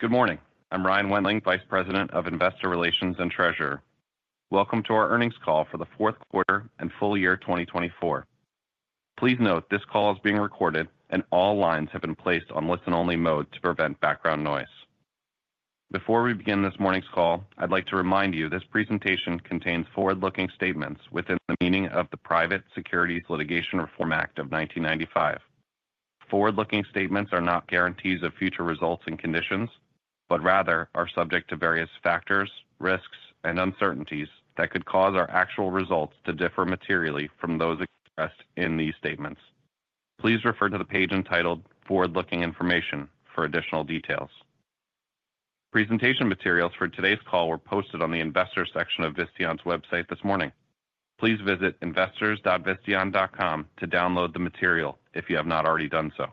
Good morning. I'm Ryan Wendling, Vice President of Investor Relations and Treasurer. Welcome to our earnings call for the fourth quarter and full year 2024. Please note this call is being recorded, and all lines have been placed on listen-only mode to prevent background noise. Before we begin this morning's call, I'd like to remind you this presentation contains forward-looking statements within the meaning of the Private Securities Litigation Reform Act of 1995. Forward-looking statements are not guarantees of future results and conditions, but rather are subject to various factors, risks, and uncertainties that could cause our actual results to differ materially from those expressed in these statements. Please refer to the page entitled "Forward-Looking Information" for additional details. Presentation materials for today's call were posted on the Investor section of Visteon's website this morning. Please visit investors.visteon.com to download the material if you have not already done so.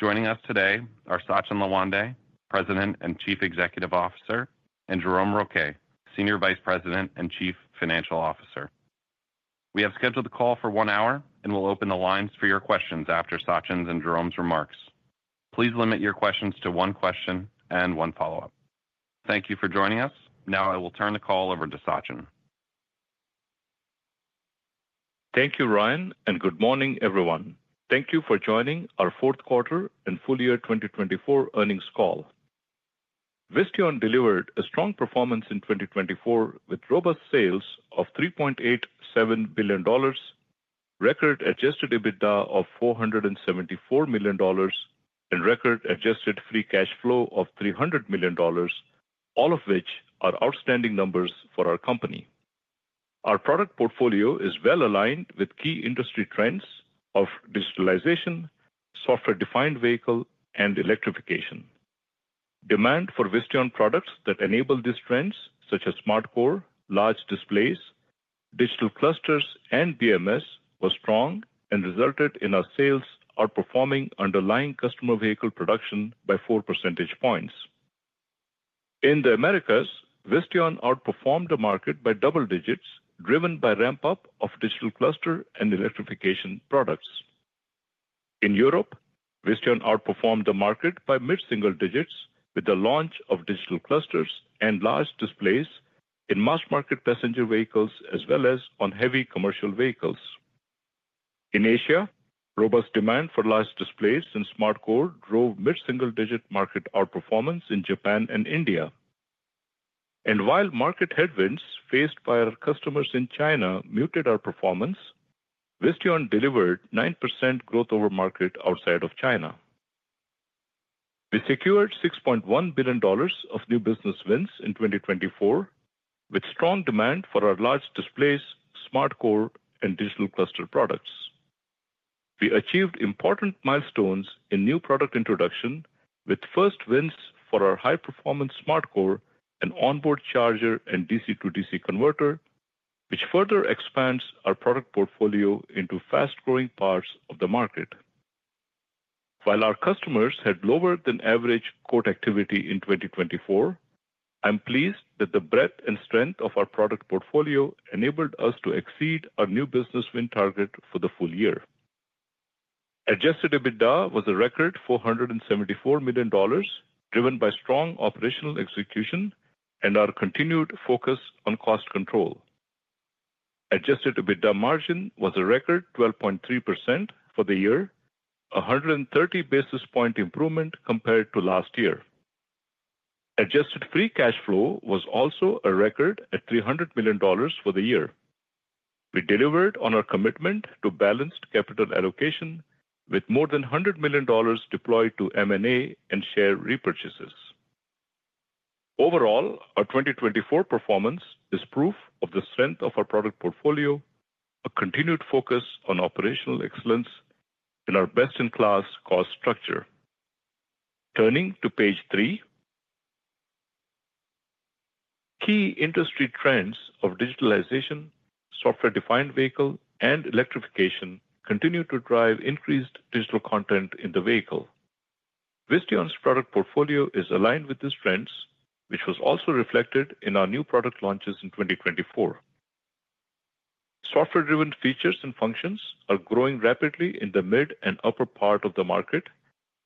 Joining us today are Sachin Lawande, President and Chief Executive Officer, and Jerome Rouquet, Senior Vice President and Chief Financial Officer. We have scheduled the call for one hour, and we'll open the lines for your questions after Sachin's and Jerome's remarks. Please limit your questions to one question and one follow-up. Thank you for joining us. Now I will turn the call over to Sachin. Thank you, Ryan, and good morning, everyone. Thank you for joining our fourth quarter and full year 2024 earnings call. Visteon delivered a strong performance in 2024 with robust sales of $3.87 billion, record Adjusted EBITDA of $474 million, and record Adjusted Free Cash Flow of $300 million, all of which are outstanding numbers for our company. Our product portfolio is well aligned with key industry trends of digitalization, software-defined vehicle, and electrification. Demand for Visteon products that enable these trends, such as SmartCore, large displays, digital clusters, and BMS, was strong and resulted in our sales outperforming underlying customer vehicle production by four percentage points. In the Americas, Visteon outperformed the market by double digits, driven by ramp-up of digital cluster and electrification products. In Europe, Visteon outperformed the market by mid-single digits with the launch of digital clusters and large displays in mass-market passenger vehicles as well as on heavy commercial vehicles. In Asia, robust demand for large displays and SmartCore drove mid-single digit market outperformance in Japan and India. And while market headwinds faced by our customers in China muted our performance, Visteon delivered 9% growth over market outside of China. We secured $6.1 billion of new business wins in 2024, with strong demand for our large displays, SmartCore, and digital cluster products. We achieved important milestones in new product introduction, with first wins for our high-performance SmartCore and onboard charger and DC-to-DC converter, which further expands our product portfolio into fast-growing parts of the market. While our customers had lower-than-average core activity in 2024, I'm pleased that the breadth and strength of our product portfolio enabled us to exceed our new business win target for the full year. Adjusted EBITDA was a record $474 million, driven by strong operational execution and our continued focus on cost control. Adjusted EBITDA margin was a record 12.3% for the year, a 130 basis points improvement compared to last year. Adjusted free cash flow was also a record at $300 million for the year. We delivered on our commitment to balanced capital allocation, with more than $100 million deployed to M&A and share repurchases. Overall, our 2024 performance is proof of the strength of our product portfolio, a continued focus on operational excellence, and our best-in-class cost structure. Turning to page three, key industry trends of digitalization, software-defined vehicle, and electrification continue to drive increased digital content in the vehicle. Visteon's product portfolio is aligned with these trends, which was also reflected in our new product launches in 2024. Software-driven features and functions are growing rapidly in the mid and upper part of the market,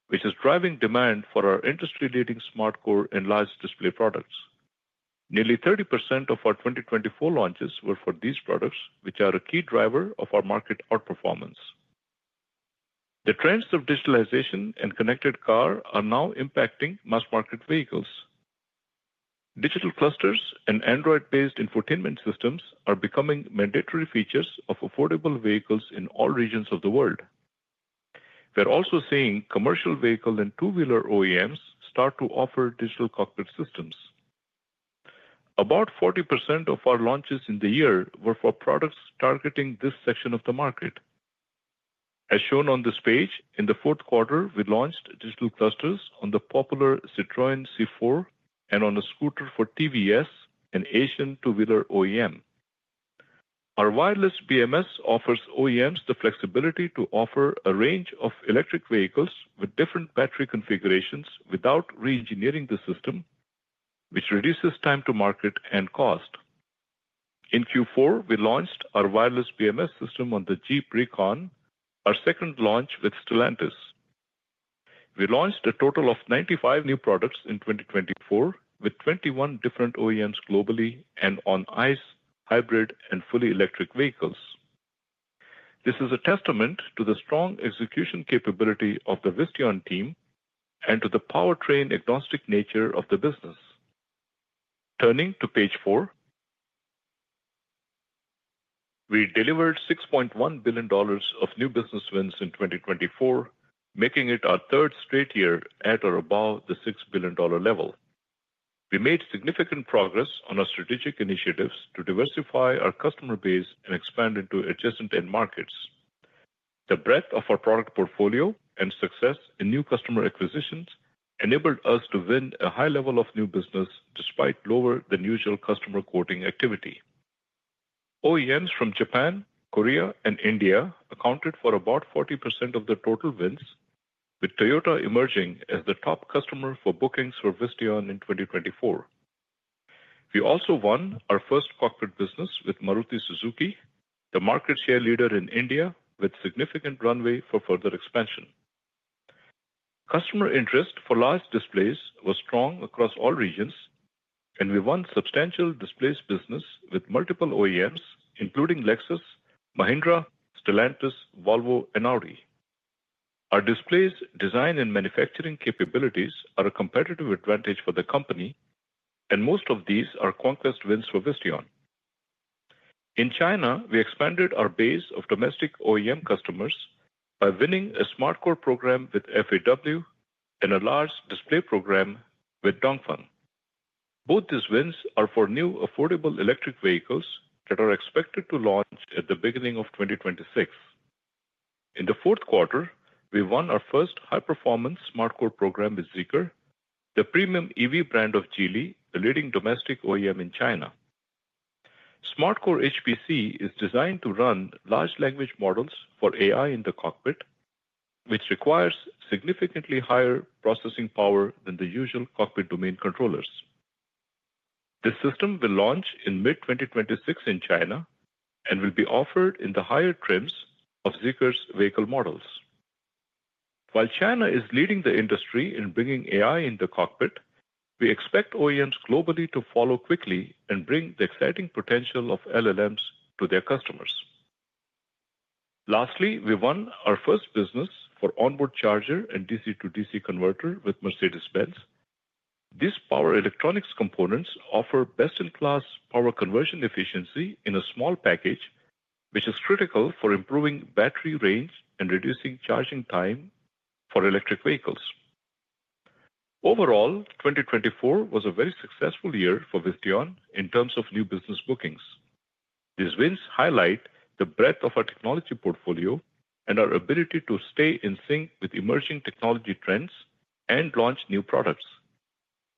which is driving demand for our industry-leading SmartCore and large display products. Nearly 30% of our 2024 launches were for these products, which are a key driver of our market outperformance. The trends of digitalization and connected car are now impacting mass-market vehicles. Digital clusters and Android-based infotainment systems are becoming mandatory features of affordable vehicles in all regions of the world. We're also seeing commercial vehicle and two-wheeler OEMs start to offer digital cockpit systems. About 40% of our launches in the year were for products targeting this section of the market. As shown on this page, in the fourth quarter, we launched digital clusters on the popular Citroën C4 and on a scooter for TVS, an Asian two-wheeler OEM. Our wireless BMS offers OEMs the flexibility to offer a range of electric vehicles with different battery configurations without re-engineering the system, which reduces time to market and cost. In Q4, we launched our wireless BMS system on the Jeep Recon, our second launch with Stellantis. We launched a total of 95 new products in 2024, with 21 different OEMs globally and on ICE, hybrid, and fully electric vehicles. This is a testament to the strong execution capability of the Visteon team and to the powertrain-agnostic nature of the business. Turning to page four, we delivered $6.1 billion of new business wins in 2024, making it our third straight year at or above the $6 billion level. We made significant progress on our strategic initiatives to diversify our customer base and expand into adjacent end markets. The breadth of our product portfolio and success in new customer acquisitions enabled us to win a high level of new business despite lower-than-usual customer quoting activity. OEMs from Japan, Korea, and India accounted for about 40% of the total wins, with Toyota emerging as the top customer for bookings for Visteon in 2024. We also won our first cockpit business with Maruti Suzuki, the market share leader in India, with significant runway for further expansion. Customer interest for large displays was strong across all regions, and we won substantial displays business with multiple OEMs, including Lexus, Mahindra, Stellantis, Volvo, and Audi. Our displays' design and manufacturing capabilities are a competitive advantage for the company, and most of these are conquest wins for Visteon. In China, we expanded our base of domestic OEM customers by winning a SmartCore program with FAW and a large display program with Dongfeng. Both these wins are for new affordable electric vehicles that are expected to launch at the beginning of 2026. In the fourth quarter, we won our first high-performance SmartCore program with Zeekr, the premium EV brand of Geely, the leading domestic OEM in China. SmartCore HPC is designed to run large language models for AI in the cockpit, which requires significantly higher processing power than the usual cockpit domain controllers. The system will launch in mid-2026 in China and will be offered in the higher trims of Zeekr's vehicle models. While China is leading the industry in bringing AI in the cockpit, we expect OEMs globally to follow quickly and bring the exciting potential of LLMs to their customers. Lastly, we won our first business for onboard charger and DC-to-DC converter with Mercedes-Benz. These power electronics components offer best-in-class power conversion efficiency in a small package, which is critical for improving battery range and reducing charging time for electric vehicles. Overall, 2024 was a very successful year for Visteon in terms of new business bookings. These wins highlight the breadth of our technology portfolio and our ability to stay in sync with emerging technology trends and launch new products.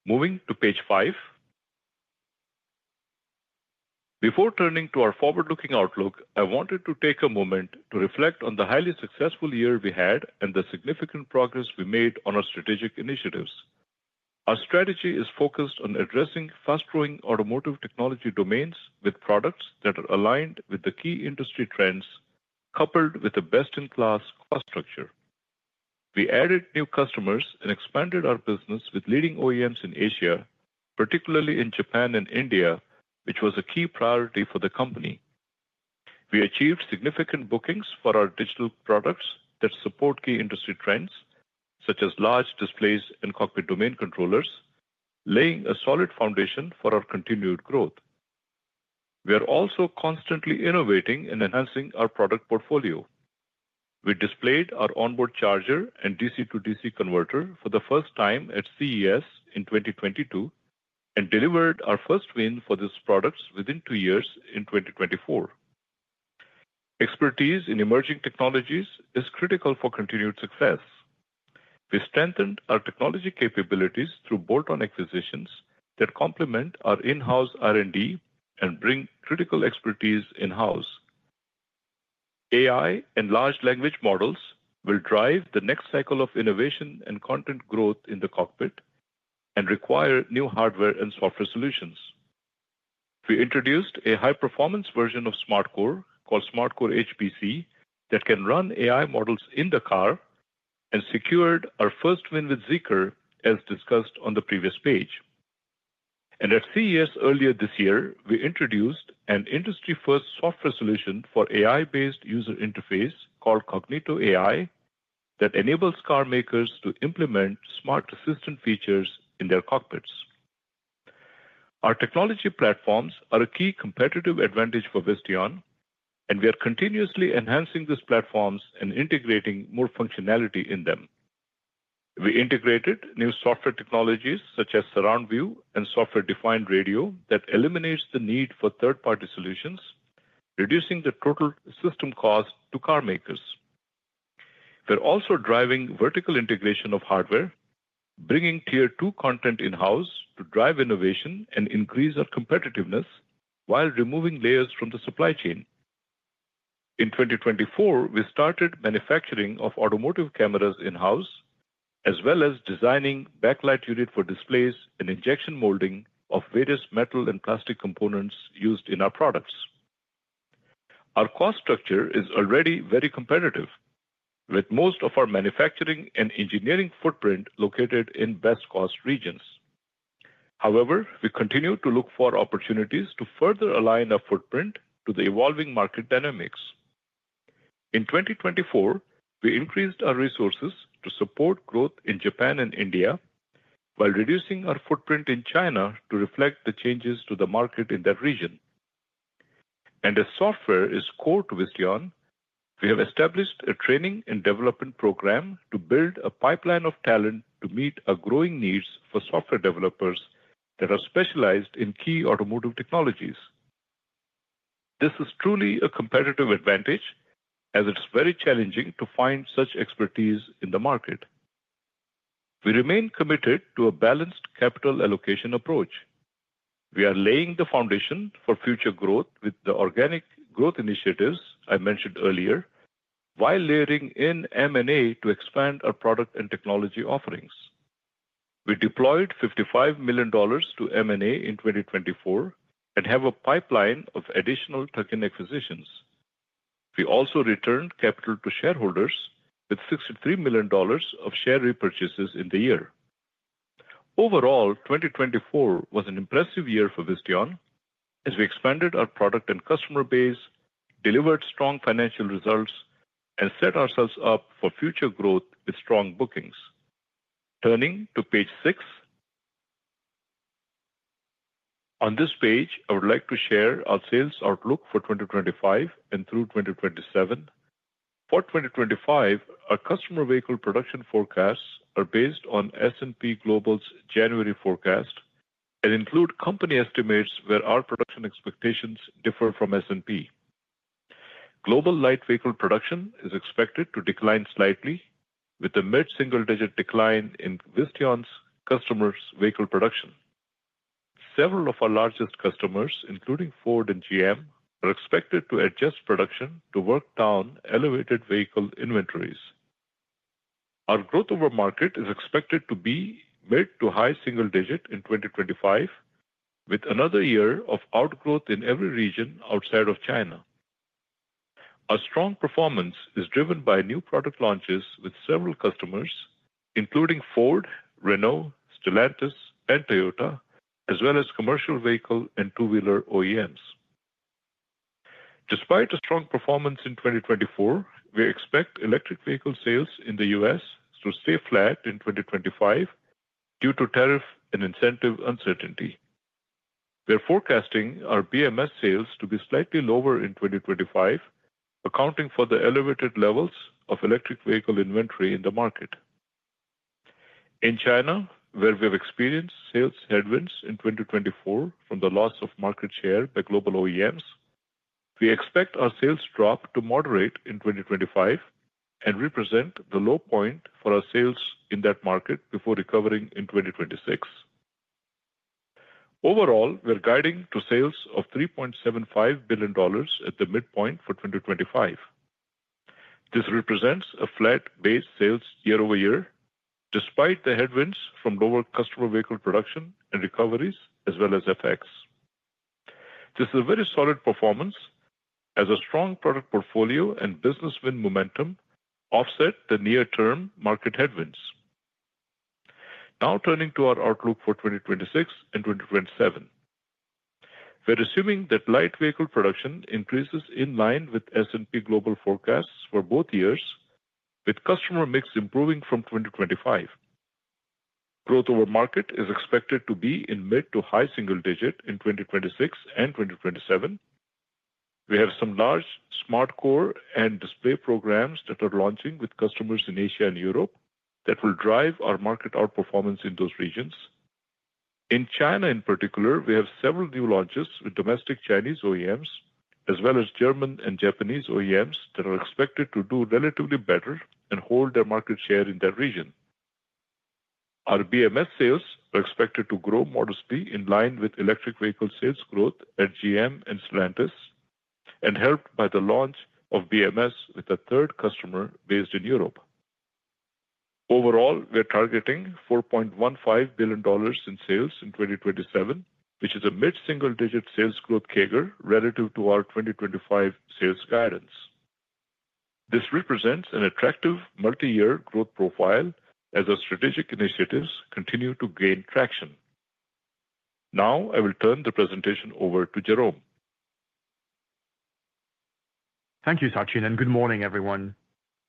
Moving to page five, before turning to our forward-looking outlook, I wanted to take a moment to reflect on the highly successful year we had and the significant progress we made on our strategic initiatives. Our strategy is focused on addressing fast-growing automotive technology domains with products that are aligned with the key industry trends, coupled with a best-in-class cost structure. We added new customers and expanded our business with leading OEMs in Asia, particularly in Japan and India, which was a key priority for the company. We achieved significant bookings for our digital products that support key industry trends, such as large displays and cockpit domain controllers, laying a solid foundation for our continued growth. We are also constantly innovating and enhancing our product portfolio. We displayed our onboard charger and DC-to-DC converter for the first time at CES in 2022 and delivered our first win for these products within two years in 2024. Expertise in emerging technologies is critical for continued success. We strengthened our technology capabilities through bolt-on acquisitions that complement our in-house R&D and bring critical expertise in-house. AI and large language models will drive the next cycle of innovation and content growth in the cockpit and require new hardware and software solutions. We introduced a high-performance version of SmartCore called SmartCore HPC that can run AI models in the car and secured our first win with Zeekr, as discussed on the previous page. And at CES earlier this year, we introduced an industry-first software solution for AI-based user interface called Cognito AI that enables car makers to implement smart assistant features in their cockpits. Our technology platforms are a key competitive advantage for Visteon, and we are continuously enhancing these platforms and integrating more functionality in them. We integrated new software technologies such as Surround View and Software-Defined Radio that eliminates the need for third-party solutions, reducing the total system cost to car makers. We're also driving vertical integration of hardware, bringing Tier 2 content in-house to drive innovation and increase our competitiveness while removing layers from the supply chain. In 2024, we started manufacturing of automotive cameras in-house, as well as designing backlight unit for displays and injection molding of various metal and plastic components used in our products. Our cost structure is already very competitive, with most of our manufacturing and engineering footprint located in best-cost regions. However, we continue to look for opportunities to further align our footprint to the evolving market dynamics. In 2024, we increased our resources to support growth in Japan and India, while reducing our footprint in China to reflect the changes to the market in that region. As software is core to Visteon, we have established a training and development program to build a pipeline of talent to meet our growing needs for software developers that are specialized in key automotive technologies. This is truly a competitive advantage, as it's very challenging to find such expertise in the market. We remain committed to a balanced capital allocation approach. We are laying the foundation for future growth with the organic growth initiatives I mentioned earlier, while layering in M&A to expand our product and technology offerings. We deployed $55 million to M&A in 2024 and have a pipeline of additional target acquisitions. We also returned capital to shareholders with $63 million of share repurchases in the year. Overall, 2024 was an impressive year for Visteon, as we expanded our product and customer base, delivered strong financial results, and set ourselves up for future growth with strong bookings. Turning to page six, on this page, I would like to share our sales outlook for 2025 and through 2027. For 2025, our customer vehicle production forecasts are based on S&P Global's January forecast and include company estimates where our production expectations differ from S&P Global. Global light vehicle production is expected to decline slightly, with a mid-single-digit decline in Visteon's customers' vehicle production. Several of our largest customers, including Ford and GM, are expected to adjust production to work down elevated vehicle inventories. Our growth over market is expected to be mid to high single-digit in 2025, with another year of outgrowth in every region outside of China. Our strong performance is driven by new product launches with several customers, including Ford, Renault, Stellantis, and Toyota, as well as commercial vehicle and two-wheeler OEMs. Despite a strong performance in 2024, we expect electric vehicle sales in the U.S. to stay flat in 2025 due to tariff and incentive uncertainty. We're forecasting our BMS sales to be slightly lower in 2025, accounting for the elevated levels of electric vehicle inventory in the market. In China, where we've experienced sales headwinds in 2024 from the loss of market share by global OEMs, we expect our sales drop to moderate in 2025 and represent the low point for our sales in that market before recovering in 2026. Overall, we're guiding to sales of $3.75 billion at the midpoint for 2025. This represents a flat base sales year over year, despite the headwinds from lower customer vehicle production and recoveries, as well as FX. This is a very solid performance, as our strong product portfolio and business win momentum offset the near-term market headwinds. Now turning to our outlook for 2026 and 2027, we're assuming that light vehicle production increases in line with S&P Global forecasts for both years, with customer mix improving from 2025. Growth over market is expected to be in mid to high single-digit in 2026 and 2027. We have some large SmartCore and display programs that are launching with customers in Asia and Europe that will drive our market outperformance in those regions. In China, in particular, we have several new launches with domestic Chinese OEMs, as well as German and Japanese OEMs that are expected to do relatively better and hold their market share in that region. Our BMS sales are expected to grow modestly in line with electric vehicle sales growth at GM and Stellantis, and helped by the launch of BMS with a third customer based in Europe. Overall, we're targeting $4.15 billion in sales in 2027, which is a mid-single-digit sales growth CAGR relative to our 2025 sales guidance. This represents an attractive multi-year growth profile as our strategic initiatives continue to gain traction. Now, I will turn the presentation over to Jerome. Thank you, Sachin, and good morning, everyone.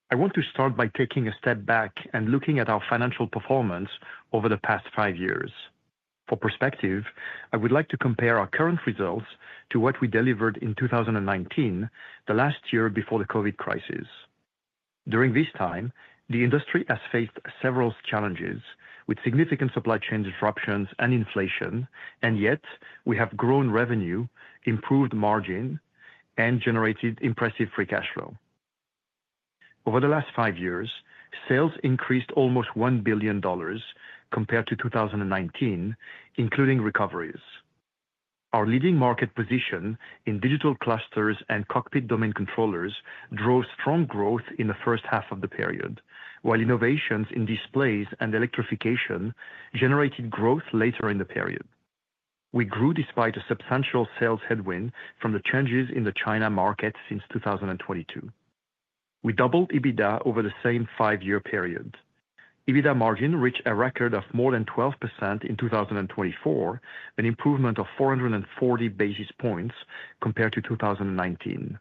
I want to start by taking a step back and looking at our financial performance over the past five years. For perspective, I would like to compare our current results to what we delivered in 2019, the last year before the COVID crisis. During this time, the industry has faced several challenges with significant supply chain disruptions and inflation, and yet we have grown revenue, improved margin, and generated impressive free cash flow. Over the last five years, sales increased almost $1 billion compared to 2019, including recoveries. Our leading market position in digital clusters and cockpit domain controllers drove strong growth in the first half of the period, while innovations in displays and electrification generated growth later in the period. We grew despite a substantial sales headwind from the changes in the China market since 2022. We doubled EBITDA over the same five-year period. EBITDA margin reached a record of more than 12% in 2024, an improvement of 440 basis points compared to 2019.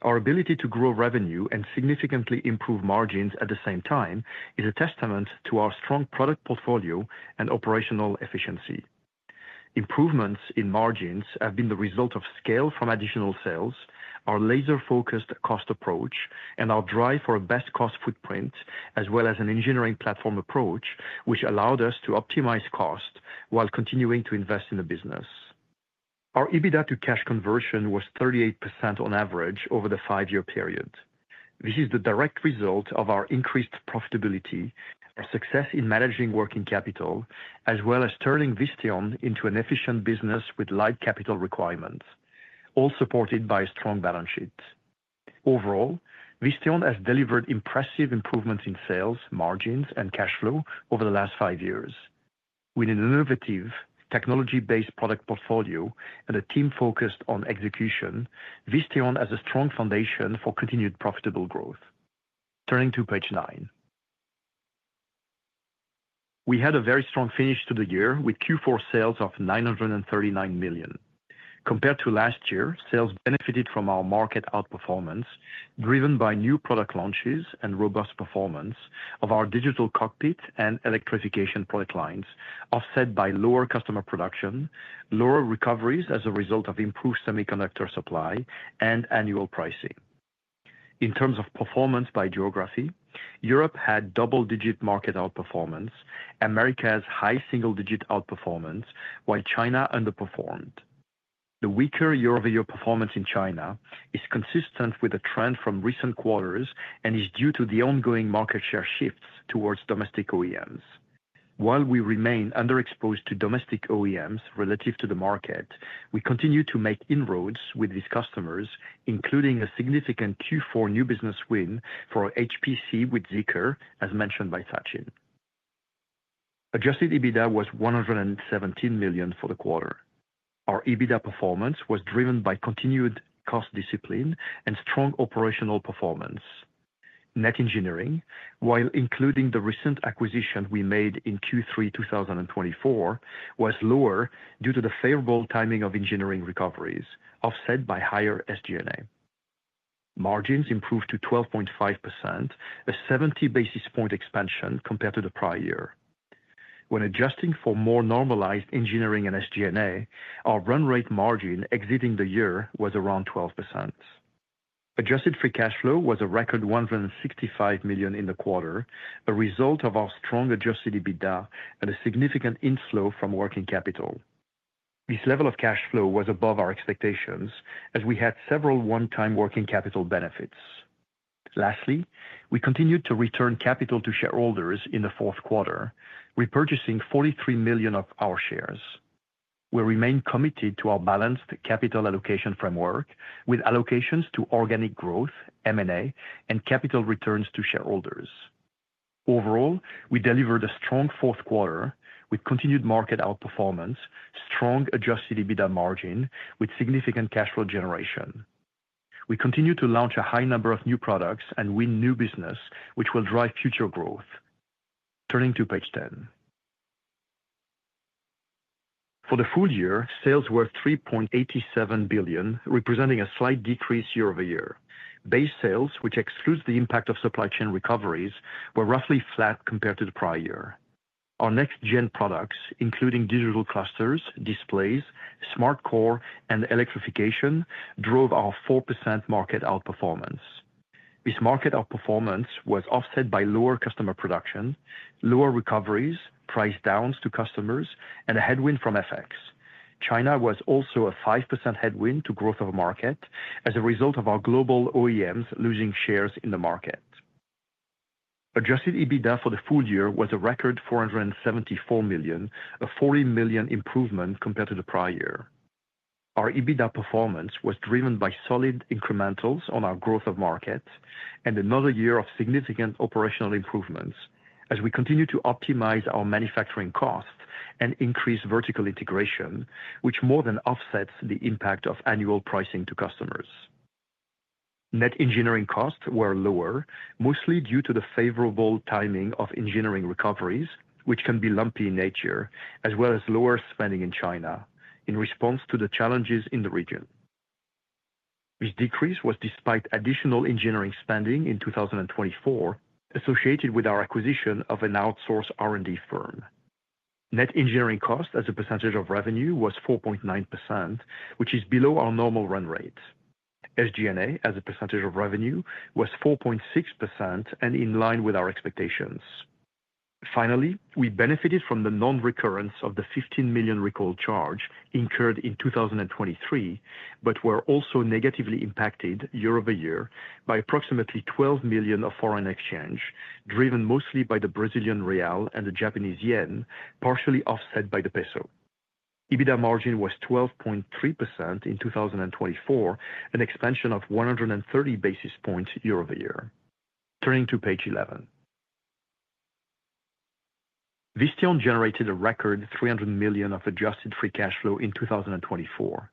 Our ability to grow revenue and significantly improve margins at the same time is a testament to our strong product portfolio and operational efficiency. Improvements in margins have been the result of scale from additional sales, our laser-focused cost approach, and our drive for a best-cost footprint, as well as an engineering platform approach, which allowed us to optimize cost while continuing to invest in the business. Our EBITDA to cash conversion was 38% on average over the five-year period. This is the direct result of our increased profitability, our success in managing working capital, as well as turning Visteon into an efficient business with light capital requirements, all supported by a strong balance sheet. Overall, Visteon has delivered impressive improvements in sales, margins, and cash flow over the last five years. With an innovative technology-based product portfolio and a team focused on execution, Visteon has a strong foundation for continued profitable growth. Turning to page nine, we had a very strong finish to the year with Q4 sales of $939 million. Compared to last year, sales benefited from our market outperformance driven by new product launches and robust performance of our digital cockpit and electrification product lines, offset by lower customer production, lower recoveries as a result of improved semiconductor supply, and annual pricing. In terms of performance by geography, Europe had double-digit market outperformance, Americas has high single-digit outperformance, while China underperformed. The weaker year-over-year performance in China is consistent with a trend from recent quarters and is due to the ongoing market share shifts towards domestic OEMs. While we remain underexposed to domestic OEMs relative to the market, we continue to make inroads with these customers, including a significant Q4 new business win for HPC with Zeekr, as mentioned by Sachin. Adjusted EBITDA was $117 million for the quarter. Our EBITDA performance was driven by continued cost discipline and strong operational performance. Net engineering, while including the recent acquisition we made in Q3 2024, was lower due to the favorable timing of engineering recoveries, offset by higher SG&A. Margins improved to 12.5%, a 70 basis points expansion compared to the prior year. When adjusting for more normalized engineering and SG&A, our run rate margin exiting the year was around 12%. Adjusted Free Cash Flow was a record $165 million in the quarter, a result of our strong Adjusted EBITDA and a significant inflow from working capital. This level of cash flow was above our expectations, as we had several one-time working capital benefits. Lastly, we continued to return capital to shareholders in the fourth quarter, repurchasing 43 million of our shares. We remain committed to our balanced capital allocation framework, with allocations to organic growth, M&A, and capital returns to shareholders. Overall, we delivered a strong fourth quarter with continued market outperformance, strong Adjusted EBITDA margin, with significant cash flow generation. We continue to launch a high number of new products and win new business, which will drive future growth. Turning to page ten, for the full year, sales were $3.87 billion, representing a slight decrease year over year. Base sales, which excludes the impact of supply chain recoveries, were roughly flat compared to the prior year. Our next-gen products, including digital clusters, displays, SmartCore, and electrification, drove our 4% market outperformance. This market outperformance was offset by lower customer production, lower recoveries, price downs to customers, and a headwind from FX. China was also a 5% headwind to growth of the market as a result of our global OEMs losing shares in the market. Adjusted EBITDA for the full year was a record $474 million, a $40 million improvement compared to the prior year. Our EBITDA performance was driven by solid incrementals on our growth of market and another year of significant operational improvements, as we continue to optimize our manufacturing costs and increase vertical integration, which more than offsets the impact of annual pricing to customers. Net engineering costs were lower, mostly due to the favorable timing of engineering recoveries, which can be lumpy in nature, as well as lower spending in China in response to the challenges in the region. This decrease was despite additional engineering spending in 2024 associated with our acquisition of an outsourced R&D firm. Net engineering cost as a percentage of revenue was 4.9%, which is below our normal run rate. SG&A as a percentage of revenue was 4.6% and in line with our expectations. Finally, we benefited from the non-recurrence of the $15 million recall charge incurred in 2023, but were also negatively impacted year over year by approximately $12 million of foreign exchange, driven mostly by the Brazilian real and the Japanese yen, partially offset by the peso. EBITDA margin was 12.3% in 2024, an expansion of 130 basis points year over year. Turning to page 11, Visteon generated a record $300 million of adjusted free cash flow in 2024.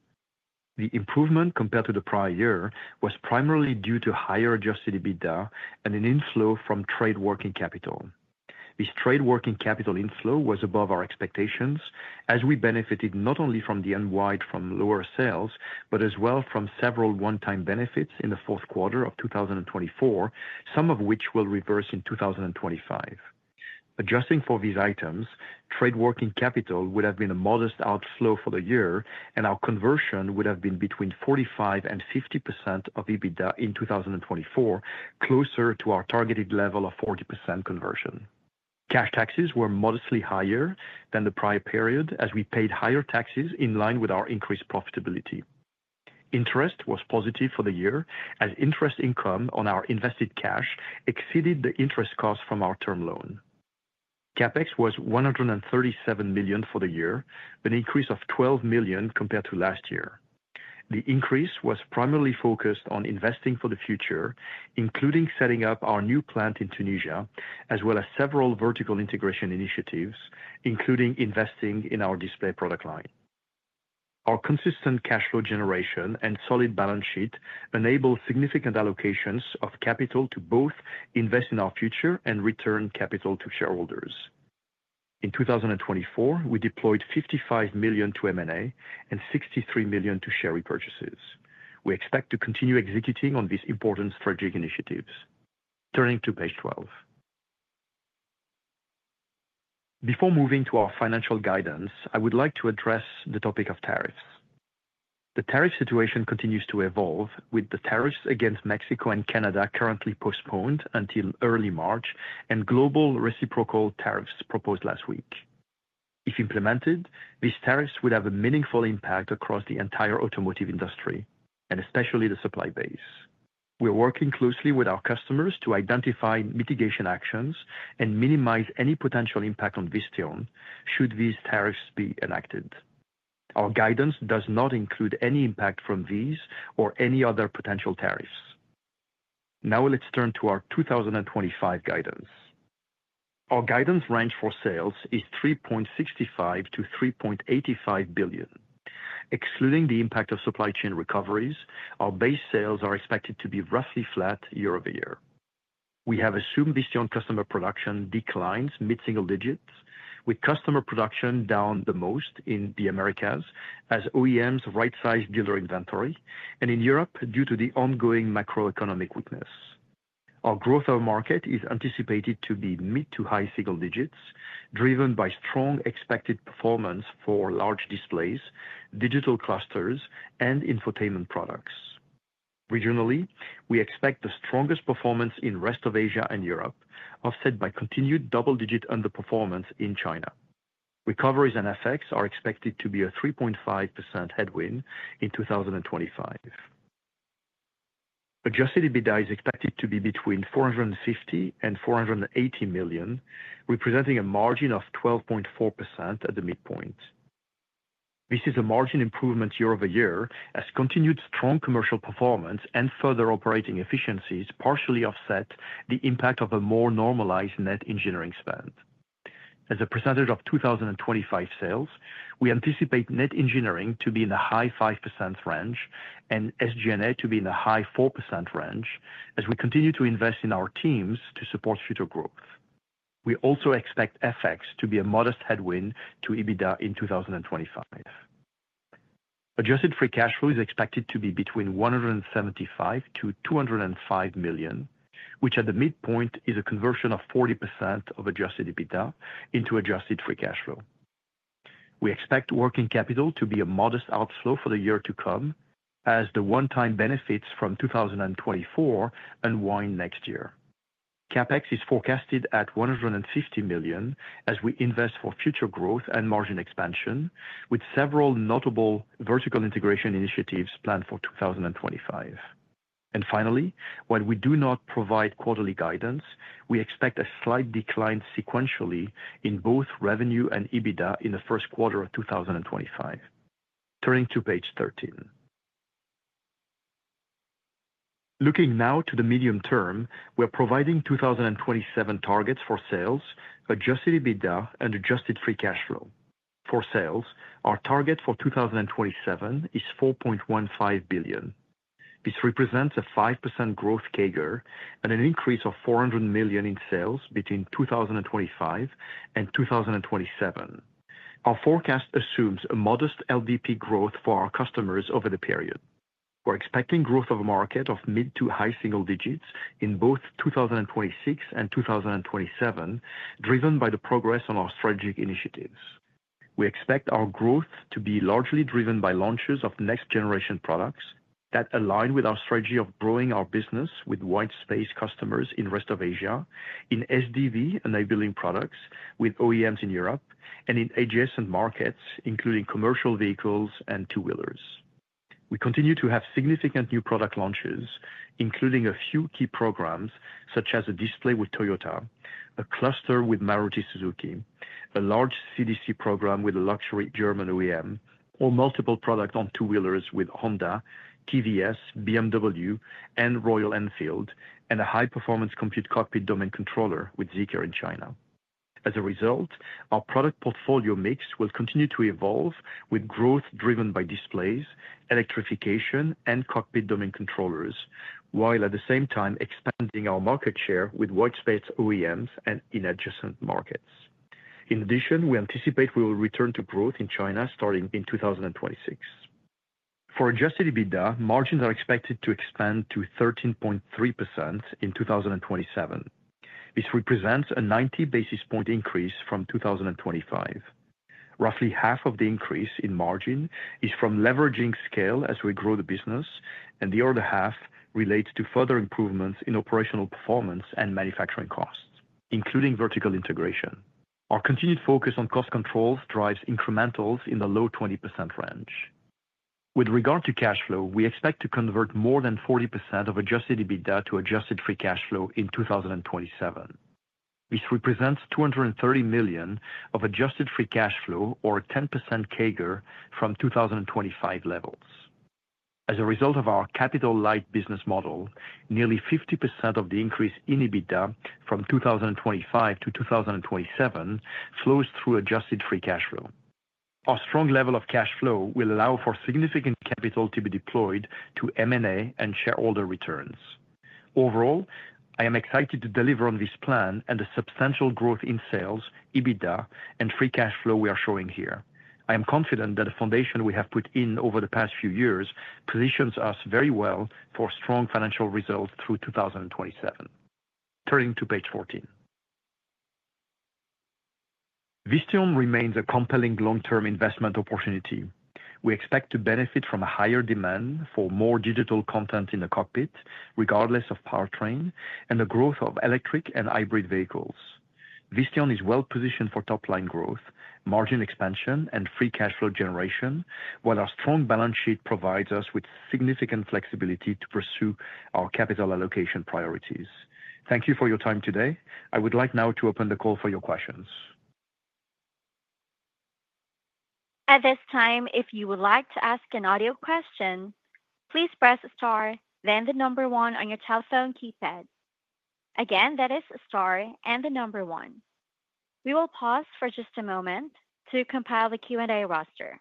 The improvement compared to the prior year was primarily due to higher adjusted EBITDA and an inflow from trade working capital. This trade working capital inflow was above our expectations, as we benefited not only from the unwind from lower sales, but as well from several one-time benefits in the fourth quarter of 2024, some of which will reverse in 2025. Adjusting for these items, trade working capital would have been a modest outflow for the year, and our conversion would have been between 45% and 50% of EBITDA in 2024, closer to our targeted level of 40% conversion. Cash taxes were modestly higher than the prior period, as we paid higher taxes in line with our increased profitability. Interest was positive for the year, as interest income on our invested cash exceeded the interest cost from our term loan. CapEx was $137 million for the year, an increase of $12 million compared to last year. The increase was primarily focused on investing for the future, including setting up our new plant in Tunisia, as well as several vertical integration initiatives, including investing in our display product line. Our consistent cash flow generation and solid balance sheet enabled significant allocations of capital to both invest in our future and return capital to shareholders. In 2024, we deployed $55 million to M&A and $63 million to share repurchases. We expect to continue executing on these important strategic initiatives. Turning to page 12, before moving to our financial guidance, I would like to address the topic of tariffs. The tariff situation continues to evolve, with the tariffs against Mexico and Canada currently postponed until early March and global reciprocal tariffs proposed last week. If implemented, these tariffs would have a meaningful impact across the entire automotive industry, and especially the supply base. We are working closely with our customers to identify mitigation actions and minimize any potential impact on Visteon should these tariffs be enacted. Our guidance does not include any impact from these or any other potential tariffs. Now, let's turn to our 2025 guidance. Our guidance range for sales is $3.65-$3.85 billion. Excluding the impact of supply chain recoveries, our base sales are expected to be roughly flat year over year. We have assumed Visteon customer production declines mid-single digits, with customer production down the most in the Americas as OEMs right-size dealer inventory, and in Europe due to the ongoing macroeconomic weakness. Our growth of market is anticipated to be mid to high single digits, driven by strong expected performance for large displays, digital clusters, and infotainment products. Regionally, we expect the strongest performance in the rest of Asia and Europe, offset by continued double-digit underperformance in China. Recoveries and FX are expected to be a 3.5% headwind in 2025. Adjusted EBITDA is expected to be between $450 and $480 million, representing a margin of 12.4% at the midpoint. This is a margin improvement year over year, as continued strong commercial performance and further operating efficiencies partially offset the impact of a more normalized net engineering spend. As a percentage of 2025 sales, we anticipate net engineering to be in the high 5% range and SG&A to be in the high 4% range, as we continue to invest in our teams to support future growth. We also expect FX to be a modest headwind to EBITDA in 2025. Adjusted free cash flow is expected to be between $175-$205 million, which at the midpoint is a conversion of 40% of adjusted EBITDA into adjusted free cash flow. We expect working capital to be a modest outflow for the year to come, as the one-time benefits from 2024 unwind next year. CapEx is forecasted at $150 million as we invest for future growth and margin expansion, with several notable vertical integration initiatives planned for 2025, and finally, while we do not provide quarterly guidance, we expect a slight decline sequentially in both revenue and EBITDA in the first quarter of 2025. Turning to page 13, looking now to the medium term, we are providing 2027 targets for sales, Adjusted EBITDA, and Adjusted Free Cash Flow. For sales, our target for 2027 is $4.15 billion. This represents a 5% growth CAGR and an increase of $400 million in sales between 2025 and 2027. Our forecast assumes a modest LVP growth for our customers over the period. We're expecting growth of a market of mid to high single digits in both 2026 and 2027, driven by the progress on our strategic initiatives. We expect our growth to be largely driven by launches of next-generation products that align with our strategy of growing our business with white space customers in the rest of Asia, in SDV enabling products with OEMs in Europe, and in adjacent markets, including commercial vehicles and two-wheelers. We continue to have significant new product launches, including a few key programs such as a display with Toyota, a cluster with Maruti Suzuki, a large CDC program with a luxury German OEM, or multiple products on two-wheelers with Honda, TVS, BMW, and Royal Enfield, and a high-performance compute cockpit domain controller with Zeekr in China. As a result, our product portfolio mix will continue to evolve, with growth driven by displays, electrification, and cockpit domain controllers, while at the same time expanding our market share with white space OEMs and in adjacent markets. In addition, we anticipate we will return to growth in China starting in 2026. For Adjusted EBITDA, margins are expected to expand to 13.3% in 2027. This represents a 90 basis point increase from 2025. Roughly half of the increase in margin is from leveraging scale as we grow the business, and the other half relates to further improvements in operational performance and manufacturing costs, including vertical integration. Our continued focus on cost controls drives incrementals in the low 20% range. With regard to cash flow, we expect to convert more than 40% of Adjusted EBITDA to Adjusted Free Cash Flow in 2027. This represents $230 million of Adjusted Free Cash Flow, or 10% CAGR from 2025 levels. As a result of our capital light business model, nearly 50% of the increase in EBITDA from 2025 to 2027 flows through Adjusted Free Cash Flow. Our strong level of cash flow will allow for significant capital to be deployed to M&A and shareholder returns. Overall, I am excited to deliver on this plan and the substantial growth in sales, EBITDA, and free cash flow we are showing here. I am confident that the foundation we have put in over the past few years positions us very well for strong financial results through 2027. Turning to page 14, Visteon remains a compelling long-term investment opportunity. We expect to benefit from a higher demand for more digital content in the cockpit, regardless of powertrain, and the growth of electric and hybrid vehicles. Visteon is well positioned for top-line growth, margin expansion, and free cash flow generation, while our strong balance sheet provides us with significant flexibility to pursue our capital allocation priorities. Thank you for your time today. I would like now to open the call for your questions. At this time, if you would like to ask an audio question, please press star, then the number one on your telephone keypad. Again, that is star and the number one. We will pause for just a moment to compile the Q&A roster.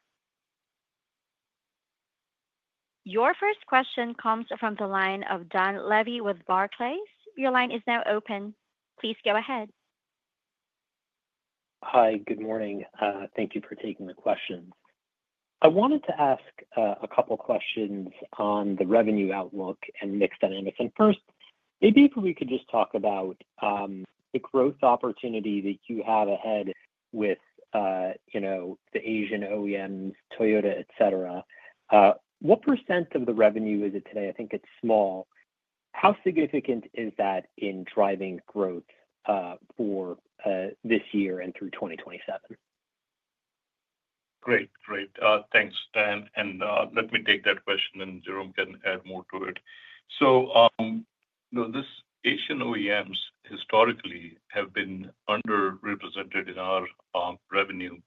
Your first question comes from the line of Dan Levy with Barclays. Your line is now open. Please go ahead. Hi, good morning. Thank you for taking the question. I wanted to ask a couple of questions on the revenue outlook and mixed dynamics. And first, maybe if we could just talk about the growth opportunity that you have ahead with the Asian OEMs, Toyota, etc. What % of the revenue is it today? I think it's small. How significant is that in driving growth for this year and through 2027? Great, great. Thanks, Dan. And let me take that question, and Jerome can add more to it. So these Asian OEMs historically have been underrepresented in our revenue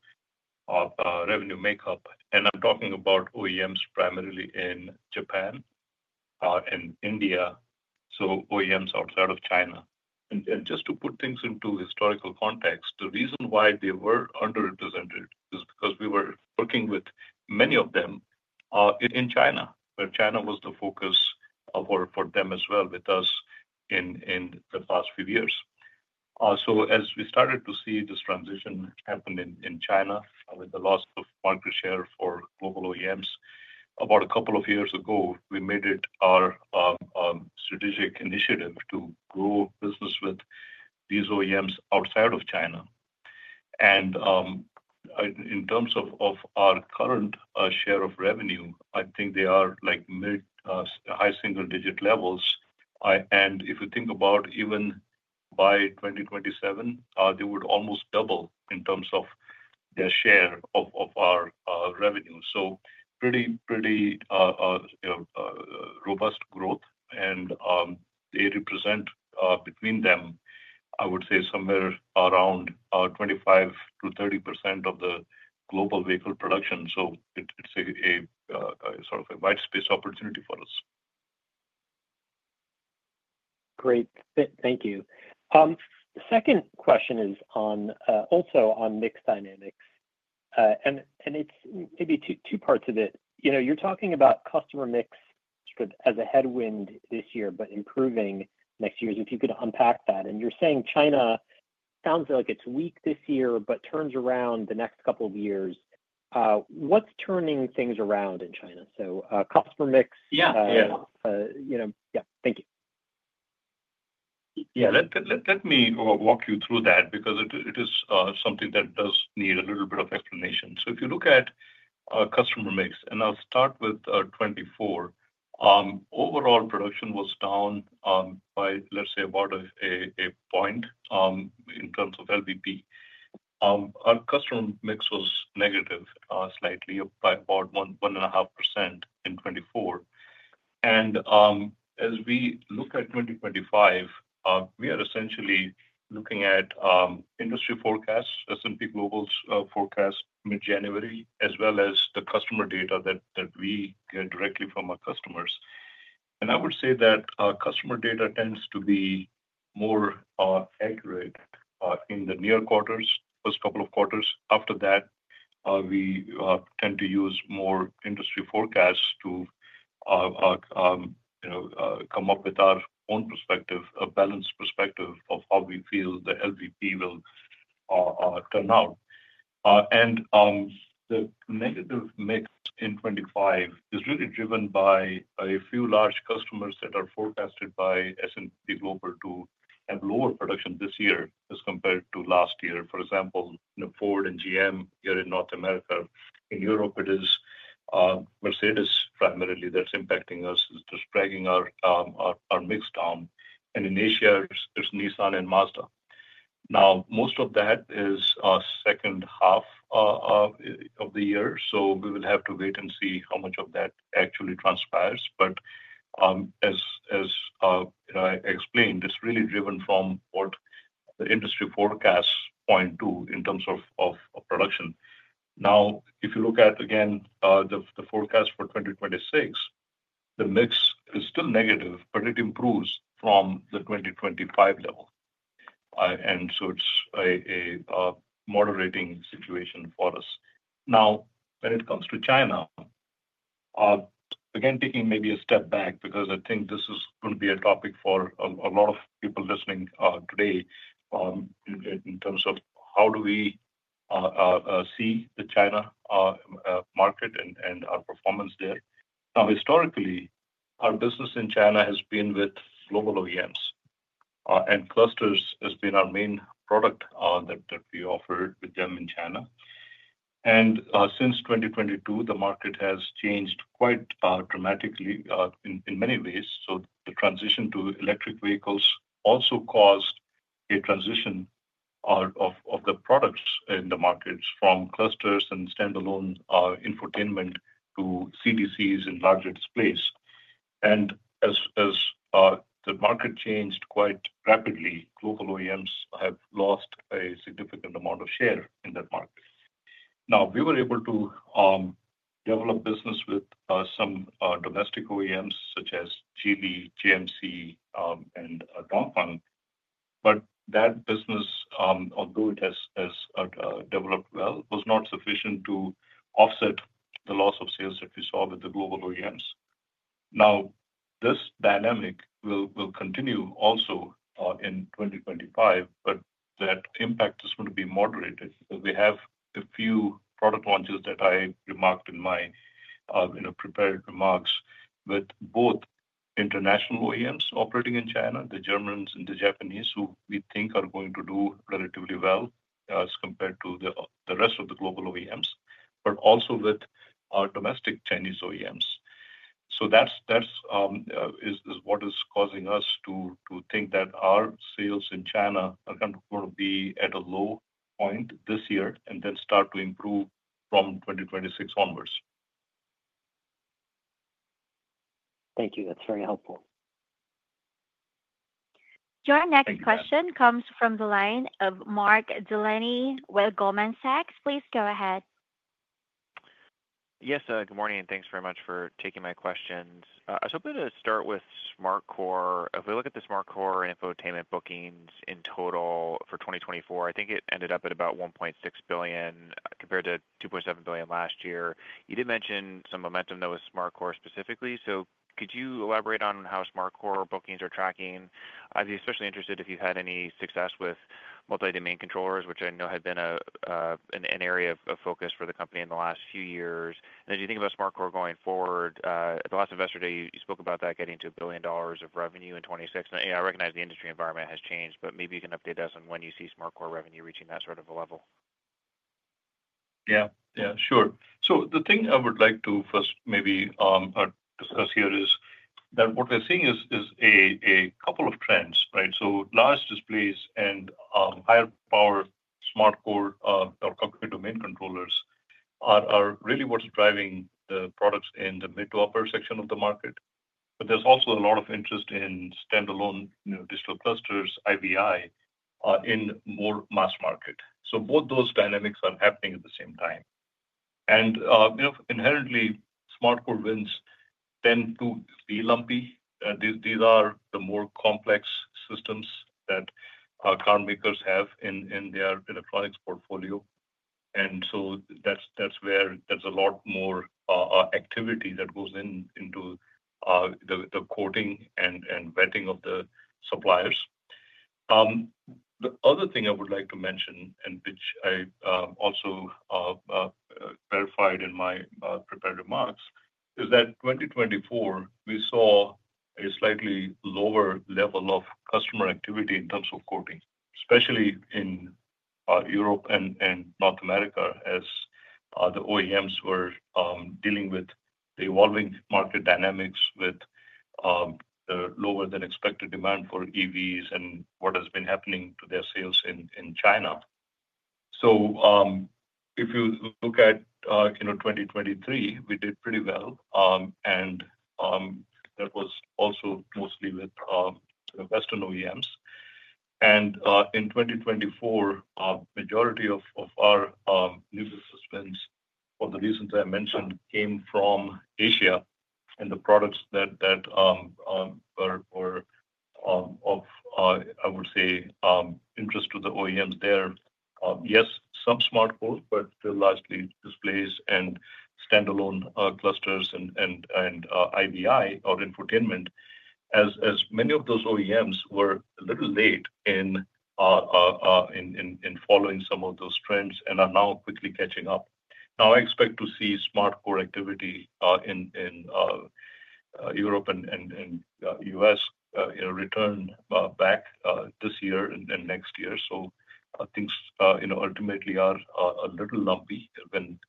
makeup. And I'm talking about OEMs primarily in Japan and India, so OEMs outside of China. And just to put things into historical context, the reason why they were underrepresented is because we were working with many of them in China, where China was the focus for them as well with us in the past few years. So as we started to see this transition happen in China with the loss of market share for global OEMs about a couple of years ago, we made it our strategic initiative to grow business with these OEMs outside of China. And in terms of our current share of revenue, I think they are like mid-high single digit levels. If you think about even by 2027, they would almost double in terms of their share of our revenue. So pretty robust growth. They represent between them, I would say, somewhere around 25%-30% of the global vehicle production. So it's a sort of a white space opportunity for us. Great. Thank you. The second question is also on mix dynamics. And it's maybe two parts of it. You're talking about customer mix sort of as a headwind this year, but improving next year, if you could unpack that. And you're saying China sounds like it's weak this year, but turns around the next couple of years. What's turning things around in China? So customer mix? Yeah. Yeah. Thank you. Yeah. Let me walk you through that because it is something that does need a little bit of explanation. So if you look at customer mix, and I'll start with 2024, overall production was down by, let's say, about a point in terms of LVP. Our customer mix was negative slightly by about 1.5% in 2024. And as we look at 2025, we are essentially looking at industry forecasts, S&P Global's forecast mid-January, as well as the customer data that we get directly from our customers. And I would say that our customer data tends to be more accurate in the near quarters, first couple of quarters. After that, we tend to use more industry forecasts to come up with our own perspective, a balanced perspective of how we feel the LVP will turn out. And the negative mix in 2025 is really driven by a few large customers that are forecasted by S&P Global to have lower production this year as compared to last year. For example, Ford and GM here in North America. In Europe, it is Mercedes primarily that's impacting us, just dragging our mix down. And in Asia, it's Nissan and Mazda. Now, most of that is second half of the year. So we will have to wait and see how much of that actually transpires. But as I explained, it's really driven from what the industry forecasts point to in terms of production. Now, if you look at, again, the forecast for 2026, the mix is still negative, but it improves from the 2025 level. And so it's a moderating situation for us. Now, when it comes to China, again, taking maybe a step back because I think this is going to be a topic for a lot of people listening today in terms of how do we see the China market and our performance there. Now, historically, our business in China has been with global OEMs, and clusters has been our main product that we offered with them in China, and since 2022, the market has changed quite dramatically in many ways, so the transition to electric vehicles also caused a transition of the products in the markets from clusters and standalone infotainment to CDCs and larger displays, and as the market changed quite rapidly, global OEMs have lost a significant amount of share in that market. Now, we were able to develop business with some domestic OEMs such as Geely, GM, and Dongfeng, but that business, although it has developed well, was not sufficient to offset the loss of sales that we saw with the global OEMs. Now, this dynamic will continue also in 2025, but that impact is going to be moderated. We have a few product launches that I remarked in my prepared remarks with both international OEMs operating in China, the Germans and the Japanese, who we think are going to do relatively well as compared to the rest of the global OEMs, but also with our domestic Chinese OEMs. So that is what is causing us to think that our sales in China are going to be at a low point this year and then start to improve from 2026 onwards. Thank you. That's very helpful. Your next question comes from the line of Mark Delaney with Goldman Sachs. Please go ahead. Yes. Good morning. Thanks very much for taking my questions. I was hoping to start with SmartCore. If we look at the SmartCore infotainment bookings in total for 2024, I think it ended up at about $1.6 billion compared to $2.7 billion last year. You did mention some momentum that was SmartCore specifically. So could you elaborate on how SmartCore bookings are tracking? I'd be especially interested if you've had any success with multi-domain controllers, which I know had been an area of focus for the company in the last few years. And as you think about SmartCore going forward, the last Investor Day, you spoke about that getting to $1 billion of revenue in 2026. And I recognize the industry environment has changed, but maybe you can update us on when you see SmartCore revenue reaching that sort of a level. Yeah. Yeah. Sure. So the thing I would like to first maybe discuss here is that what we're seeing is a couple of trends, right? So large displays and higher power SmartCore or cockpit domain controllers are really what's driving the products in the mid-to-upper section of the market. But there's also a lot of interest in standalone digital clusters, IVI, in more mass market. So both those dynamics are happening at the same time. And inherently, SmartCore wins tend to be lumpy. These are the more complex systems that car makers have in their electronics portfolio. And so that's where there's a lot more activity that goes into the quoting and vetting of the suppliers. The other thing I would like to mention, and which I also verified in my prepared remarks, is that in 2024, we saw a slightly lower level of customer activity in terms of quoting, especially in Europe and North America as the OEMs were dealing with the evolving market dynamics with lower than expected demand for EVs and what has been happening to their sales in China. So if you look at in 2023, we did pretty well. And that was also mostly with Western OEMs. And in 2024, the majority of our new systems, for the reasons I mentioned, came from Asia. And the products that were of, I would say, interest to the OEMs there, yes, some SmartCore, but still largely displays and standalone clusters and IVI or infotainment, as many of those OEMs were a little late in following some of those trends and are now quickly catching up. Now, I expect to see SmartCore activity in Europe and the U.S. return back this year and next year. So things ultimately are a little lumpy when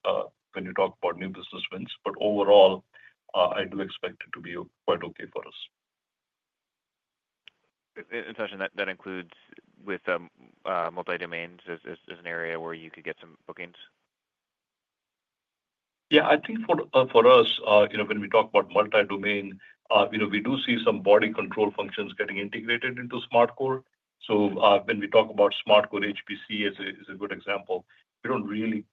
you talk about new business wins. But overall, I do expect it to be quite okay for us. And that includes with multi-domains as an area where you could get some bookings? Yeah. I think for us, when we talk about multi-domain, we do see some body control functions getting integrated into SmartCore. So when we talk about SmartCore, HPC is a good example. We don't really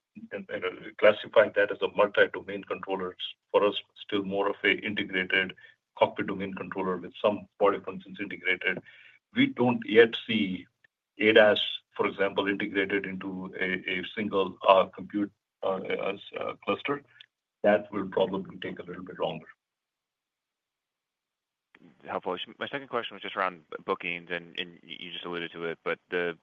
classify that as a multi-domain controller. For us, still more of an integrated cockpit domain controller with some body functions integrated. We don't yet see ADAS, for example, integrated into a single compute cluster. That will probably take a little bit longer. Helpful. My second question was just around bookings, and you just alluded to it, but the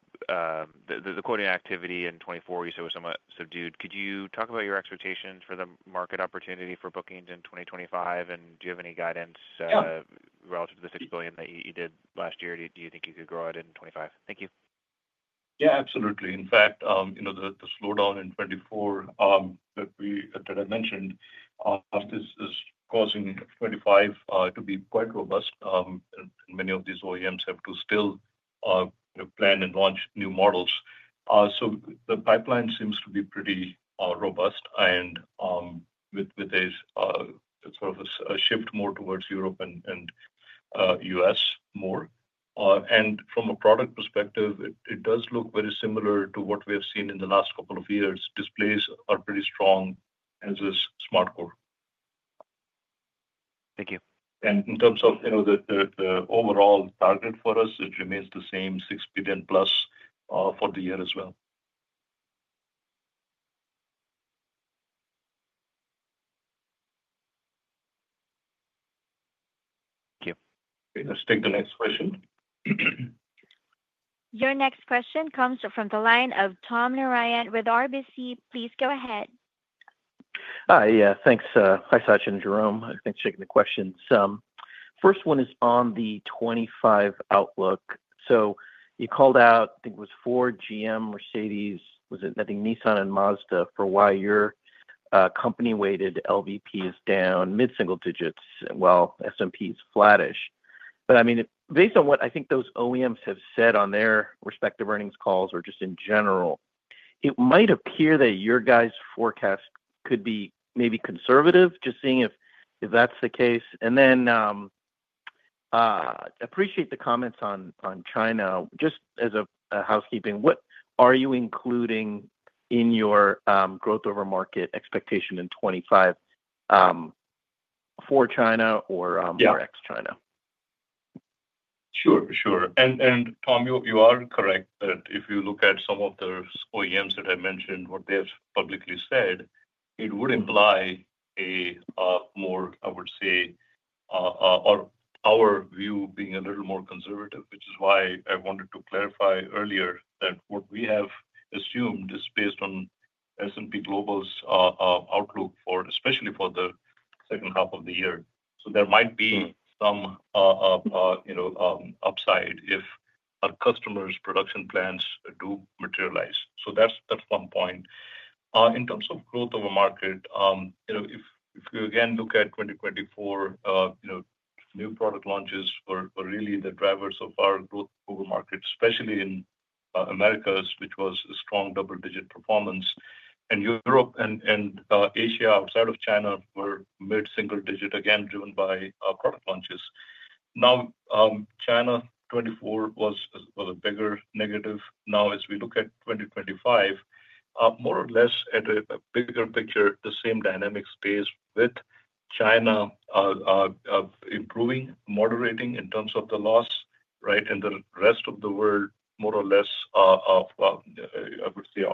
quoting activity in 2024, you said was somewhat subdued. Could you talk about your expectations for the market opportunity for bookings in 2025? And do you have any guidance relative to the $6 billion that you did last year? Do you think you could grow it in 2025? Thank you. Yeah, absolutely. In fact, the slowdown in 2024 that I mentioned is causing 2025 to be quite robust. Many of these OEMs have to still plan and launch new models. So, the pipeline seems to be pretty robust and with a sort of a shift more towards Europe and U.S. more. And from a product perspective, it does look very similar to what we have seen in the last couple of years. Displays are pretty strong as is SmartCore. Thank you. And in terms of the overall target for us, it remains the same $6 billion plus for the year as well. Thank you. Let's take the next question. Your next question comes from the line of Tom Narayan with RBC. Please go ahead. Hi. Yeah. Thanks. Hi, Sachin and Jerome. Thanks for taking the questions. First one is on the 2025 outlook. So you called out, I think it was Ford, GM, Mercedes, was it? I think Nissan and Mazda for why your company-weighted LVP is down mid-single digits. Well, S&P is flattish. But I mean, based on what I think those OEMs have said on their respective earnings calls or just in general, it might appear that your guys' forecast could be maybe conservative, just seeing if that's the case. And then I appreciate the comments on China. Just as a housekeeping, what are you including in your growth over market expectation in 2025 for China or ex-China? Sure. Sure. And Tom, you are correct that if you look at some of the OEMs that I mentioned, what they have publicly said, it would imply a more, I would say, or our view being a little more conservative, which is why I wanted to clarify earlier that what we have assumed is based on S&P Global's outlook for especially the second half of the year. So there might be some upside if our customers' production plans do materialize. That's one point. In terms of growth of a market, if we again look at 2024, new product launches were really the drivers of our growth over market, especially in Americas, which was a strong double-digit performance. Europe and Asia outside of China were mid-single digit, again, driven by product launches. Now, China 2024 was a bigger negative. Now, as we look at 2025, more or less at a bigger picture, the same dynamic space with China improving, moderating in terms of the loss, right? The rest of the world, more or less, I would say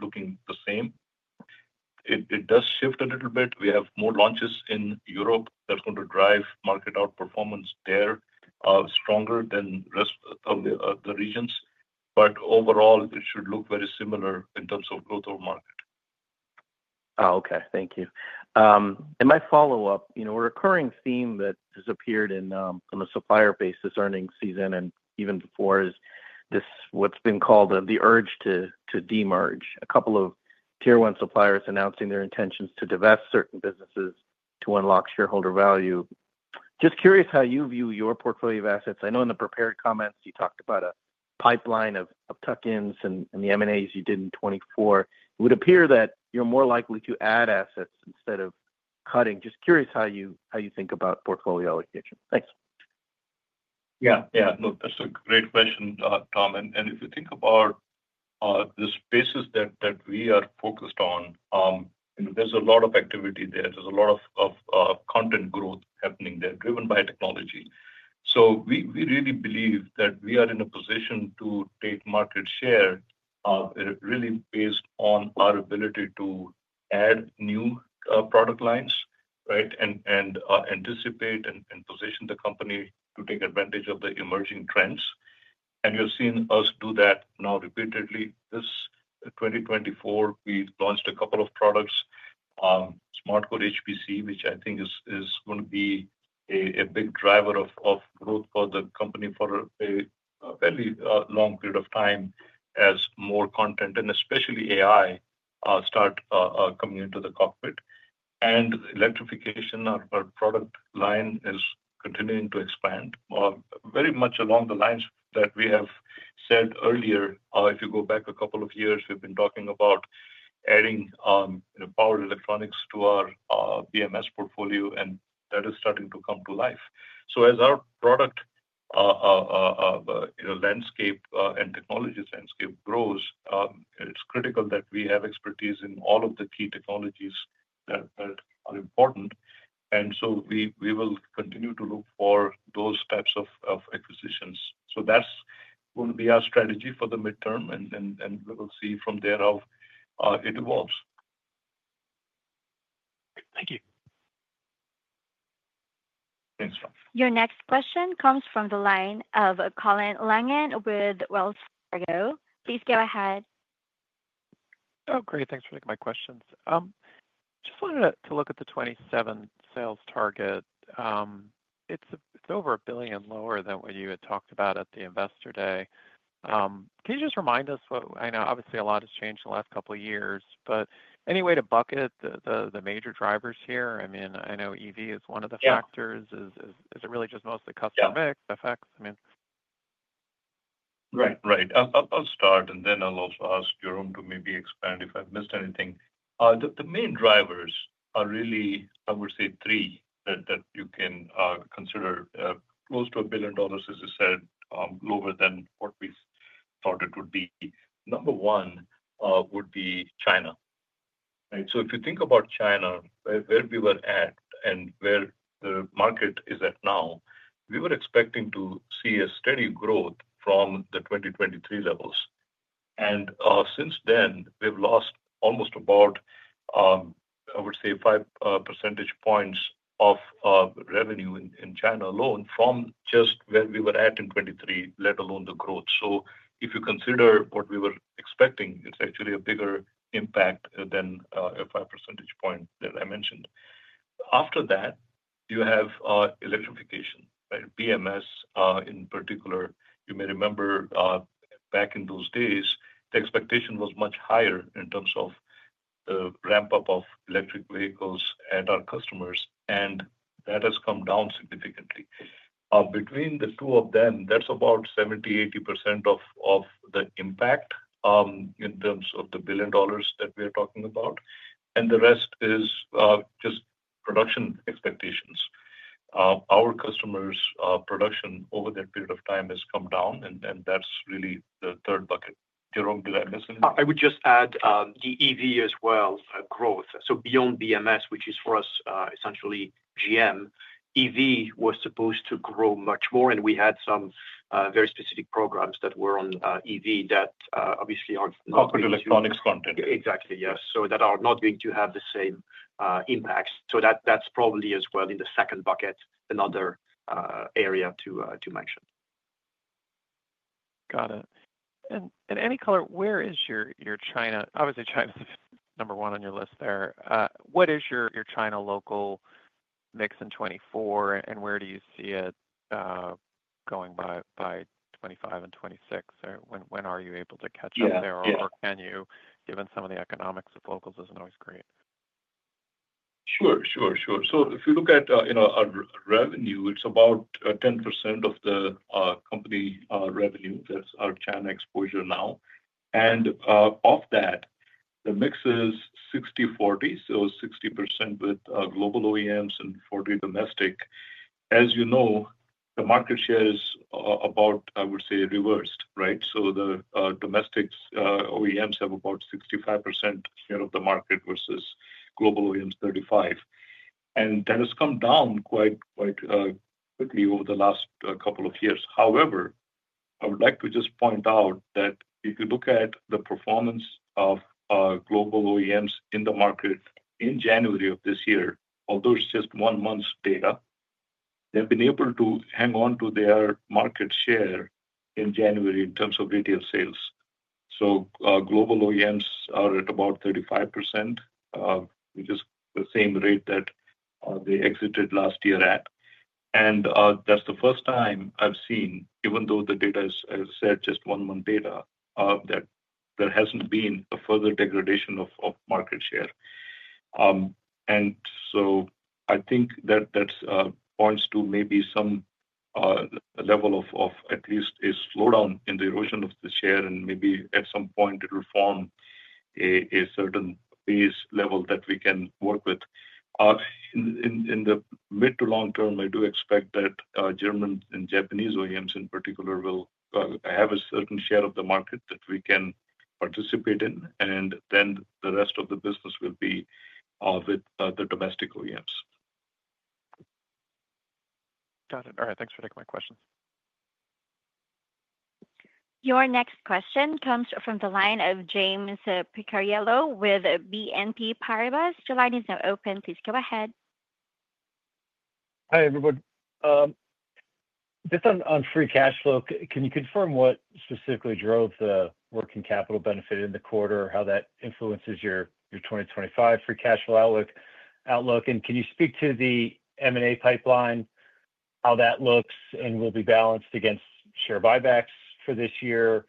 looking the same. It does shift a little bit. We have more launches in Europe that's going to drive market outperformance there stronger than the rest of the regions. Overall, it should look very similar in terms of growth of market. Okay. Thank you. My follow-up, a recurring theme that has appeared in the supplier base this earnings season and even before is what's been called the urge to de-merge. A couple of tier-one suppliers announcing their intentions to divest certain businesses to unlock shareholder value. Just curious how you view your portfolio of assets. I know in the prepared comments, you talked about a pipeline of tuck-ins and the M&As you did in 2024. It would appear that you're more likely to add assets instead of cutting. Just curious how you think about portfolio allocation. Thanks. Yeah. Yeah. No, that's a great question, Tom. If you think about the spaces that we are focused on, there's a lot of activity there. There's a lot of content growth happening there driven by technology. We really believe that we are in a position to take market share really based on our ability to add new product lines, right, and anticipate and position the company to take advantage of the emerging trends. We have seen us do that now repeatedly. In 2024, we launched a couple of products, SmartCore HPC, which I think is going to be a big driver of growth for the company for a fairly long period of time as more content and especially AI start coming into the cockpit. Electrification of our product line is continuing to expand very much along the lines that we have said earlier. If you go back a couple of years, we've been talking about adding power electronics to our BMS portfolio, and that is starting to come to life. So as our product landscape and technology landscape grows, it's critical that we have expertise in all of the key technologies that are important. And so we will continue to look for those types of acquisitions. So that's going to be our strategy for the midterm, and we will see from there how it evolves. Thank you. Thanks, Tom. Your next question comes from the line of Colin Langan with Wells Fargo. Please go ahead. Oh, great. Thanks for taking my questions. Just wanted to look at the '27 sales target. It's over $1 billion lower than what you had talked about at the Investor Day. Can you just remind us what I know? Obviously, a lot has changed in the last couple of years, but any way to bucket the major drivers here? I mean, I know EV is one of the factors. Is it really just mostly customer mix? Effects? I mean. Right. Right. I'll start, and then I'll also ask Jerome to maybe expand if I've missed anything. The main drivers are really, I would say, three that you can consider. Close to $1 billion, as you said, lower than what we thought it would be. Number one would be China, right? So if you think about China, where we were at and where the market is at now, we were expecting to see a steady growth from the 2023 levels. And since then, we've lost almost about, I would say, 5 percentage points of revenue in China alone from just where we were at in 2023, let alone the growth. So if you consider what we were expecting, it's actually a bigger impact than a 5 percentage point that I mentioned. After that, you have electrification, right? BMS in particular. You may remember back in those days, the expectation was much higher in terms of the ramp-up of electric vehicles at our customers, and that has come down significantly. Between the two of them, that's about 70%-80% of the impact in terms of the $1 billion that we are talking about. And the rest is just production expectations. Our customers' production over that period of time has come down, and that's really the third bucket. Jerome, did I miss anything? I would just add the EV as well growth. So beyond BMS, which is for us essentially GM, EV was supposed to grow much more, and we had some very specific programs that were on EV that obviously aren't. Cockpit electronics content. Exactly. Yes. So that are not going to have the same impacts. So that's probably as well in the second bucket, another area to mention. Got it. And any color, where is your China? Obviously, China is number one on your list there. What is your China local mix in 2024, and where do you see it going by 2025 and 2026? Or when are you able to catch up there? Or can you, given some of the economics of locals isn't always great? Sure. Sure. Sure. So if you look at our revenue, it's about 10% of the company revenue. That's our China exposure now. And off that, the mix is 60/40. So 60% with global OEMs and 40% domestic. As you know, the market share is about, I would say, reversed, right? So the domestic OEMs have about 65% share of the market versus global OEMs, 35%. And that has come down quite quickly over the last couple of years. However, I would like to just point out that if you look at the performance of global OEMs in the market in January of this year, although it's just one month's data, they've been able to hang on to their market share in January in terms of retail sales. So global OEMs are at about 35%, which is the same rate that they exited last year at. And that's the first time I've seen, even though the data is, as I said, just one-month data, that there hasn't been a further degradation of market share. And so I think that points to maybe some level of at least a slowdown in the erosion of the share, and maybe at some point, it will form a certain base level that we can work with. In the mid to long term, I do expect that German and Japanese OEMs in particular will have a certain share of the market that we can participate in, and then the rest of the business will be with the domestic OEMs. Got it. All right. Thanks for taking my questions. Your next question comes from the line of James Picariello with BNP Paribas. Your line is now open. Please go ahead. Hi, everyone. Just on free cash flow, can you confirm what specifically drove the working capital benefit in the quarter, how that influences your 2025 free cash flow outlook? And can you speak to the M&A pipeline, how that looks and will be balanced against share buybacks for this year?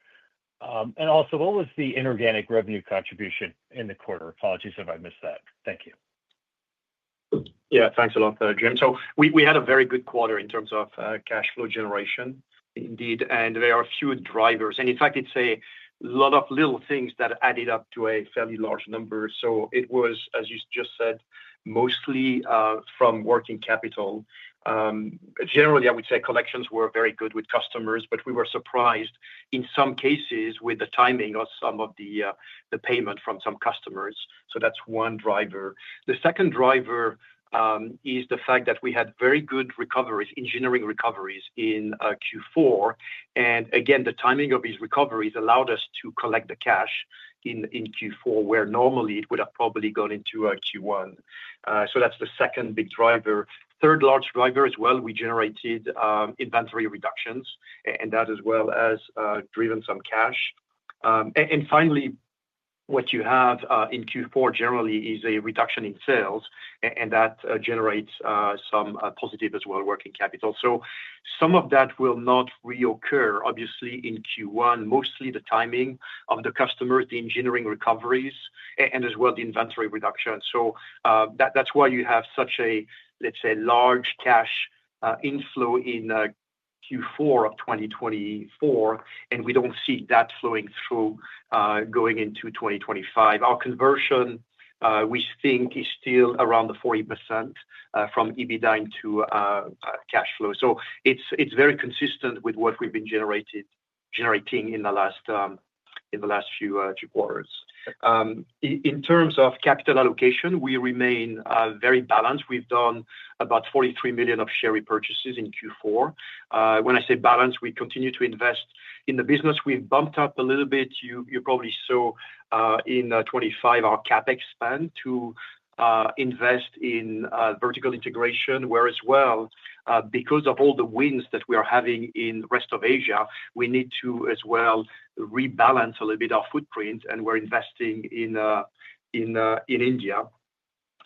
And also, what was the inorganic revenue contribution in the quarter? Apologies if I missed that. Thank you. Yeah. Thanks a lot, Jim. We had a very good quarter in terms of cash flow generation. Indeed. There are a few drivers. In fact, it's a lot of little things that added up to a fairly large number. It was, as you just said, mostly from working capital. Generally, I would say collections were very good with customers, but we were surprised in some cases with the timing of some of the payment from some customers. That's one driver. The second driver is the fact that we had very good engineering recoveries in Q4. Again, the timing of these recoveries allowed us to collect the cash in Q4, where normally it would have probably gone into Q1. That's the second big driver. The third large driver as well, we generated inventory reductions, and that as well has driven some cash. Finally, what you have in Q4 generally is a reduction in sales, and that generates some positive as well, working capital. Some of that will not reoccur, obviously, in Q1. Mostly the timing of the customers, the engineering recoveries, and as well the inventory reduction. That's why you have such a, let's say, large cash inflow in Q4 of 2024, and we don't see that flowing through going into 2025. Our conversion, we think, is still around the 40% from EBITDA into cash flow. It's very consistent with what we've been generating in the last few quarters. In terms of capital allocation, we remain very balanced. We've done about $43 million of share repurchases in Q4. When I say balanced, we continue to invest in the business. We've bumped up a little bit. You probably saw in 2025 our CapEx spend to invest in vertical integration, where as well, because of all the wins that we are having in the rest of Asia, we need to as well rebalance a little bit our footprint, and we're investing in India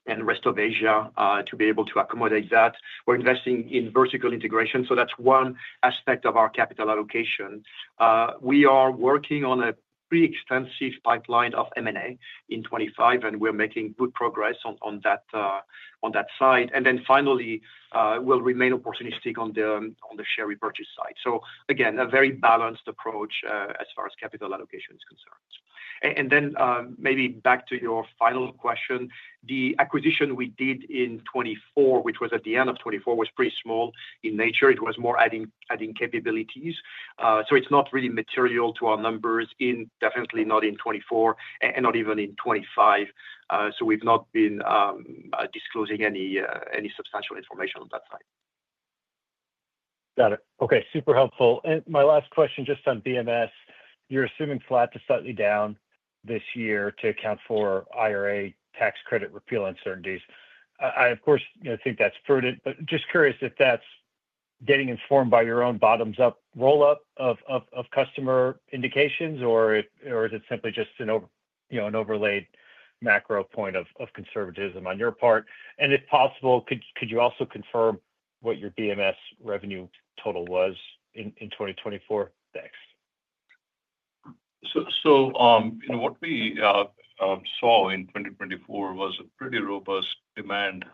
and rest of Asia to be able to accommodate that. We're investing in vertical integration. So that's one aspect of our capital allocation. We are working on a pretty extensive pipeline of M&A in 2025, and we're making good progress on that side. And then finally, we'll remain opportunistic on the share repurchase side. So again, a very balanced approach as far as capital allocation is concerned. And then maybe back to your final question, the acquisition we did in 2024, which was at the end of 2024, was pretty small in nature. It was more adding capabilities. So it's not really material to our numbers and definitely not in 2024 and not even in 2025. So we've not been disclosing any substantial information on that side. Got it. Okay. Super helpful. And my last question just on BMS. You're assuming flat to slightly down this year to account for IRA tax credit repeal uncertainties. I, of course, think that's prudent, but just curious if that's getting informed by your own bottoms-up roll-up of customer indications, or is it simply just an overlaid macro point of conservatism on your part? And if possible, could you also confirm what your BMS revenue total was in 2024? Thanks. So what we saw in 2024 was a pretty robust demand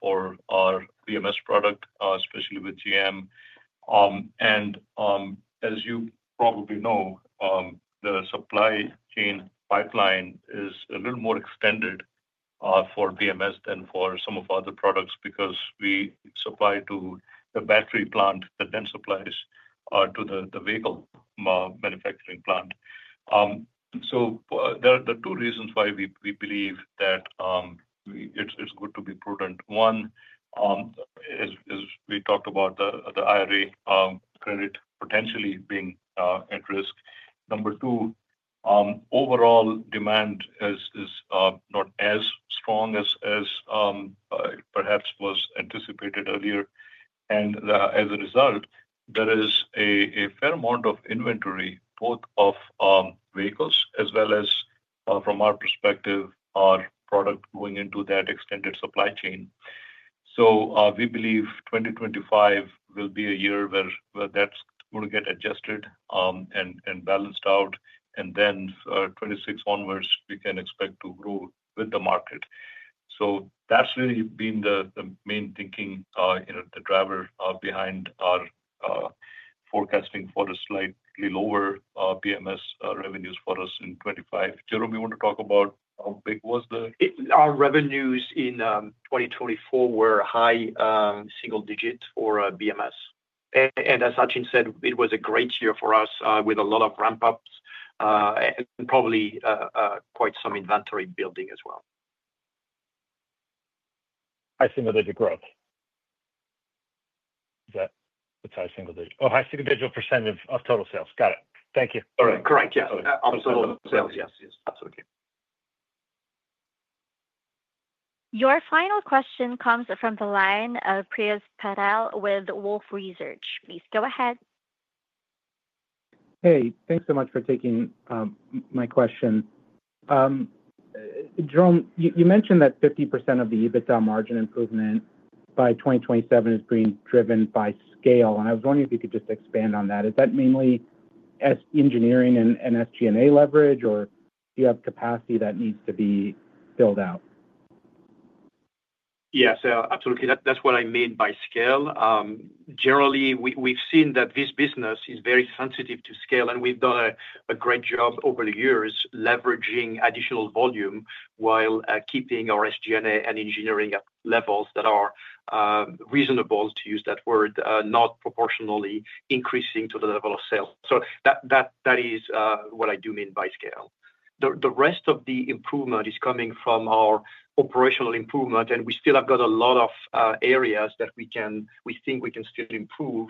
for our BMS product, especially with GM. And as you probably know, the supply chain pipeline is a little more extended for BMS than for some of other products because we supply to the battery plant that then supplies to the vehicle manufacturing plant. So there are two reasons why we believe that it's good to be prudent. One, as we talked about, the IRA credit potentially being at risk. Number two, overall demand is not as strong as perhaps was anticipated earlier. And as a result, there is a fair amount of inventory, both of vehicles as well as, from our perspective, our product going into that extended supply chain. So we believe 2025 will be a year where that's going to get adjusted and balanced out. And then 2026 onwards, we can expect to grow with the market. So that's really been the main thinking, the driver behind our forecasting for the slightly lower BMS revenues for us in 2025. Jerome, you want to talk about how big was the? Our revenues in 2024 were high single digit for BMS. And as Sachin said, it was a great year for us with a lot of ramp-ups and probably quite some inventory building as well. High single digit growth. Is that the high single digit? Oh, high single digit % of total sales. Got it. Thank you. Correct. Yes. Absolutely. Sales. Yes. Yes. Absolutely. Your final question comes from the line of Shreyas Patil with Wolfe Research. Please go ahead. Hey, thanks so much for taking my question. Jerome, you mentioned that 50% of the EBITDA margin improvement by 2027 is being driven by scale. And I was wondering if you could just expand on that. Is that mainly engineering and SG&A leverage, or do you have capacity that needs to be filled out? Yes. Absolutely. That's what I meant by scale. Generally, we've seen that this business is very sensitive to scale, and we've done a great job over the years leveraging additional volume while keeping our SG&A and engineering at levels that are reasonable, to use that word, not proportionally increasing to the level of sales. So that is what I do mean by scale. The rest of the improvement is coming from our operational improvement, and we still have got a lot of areas that we think we can still improve.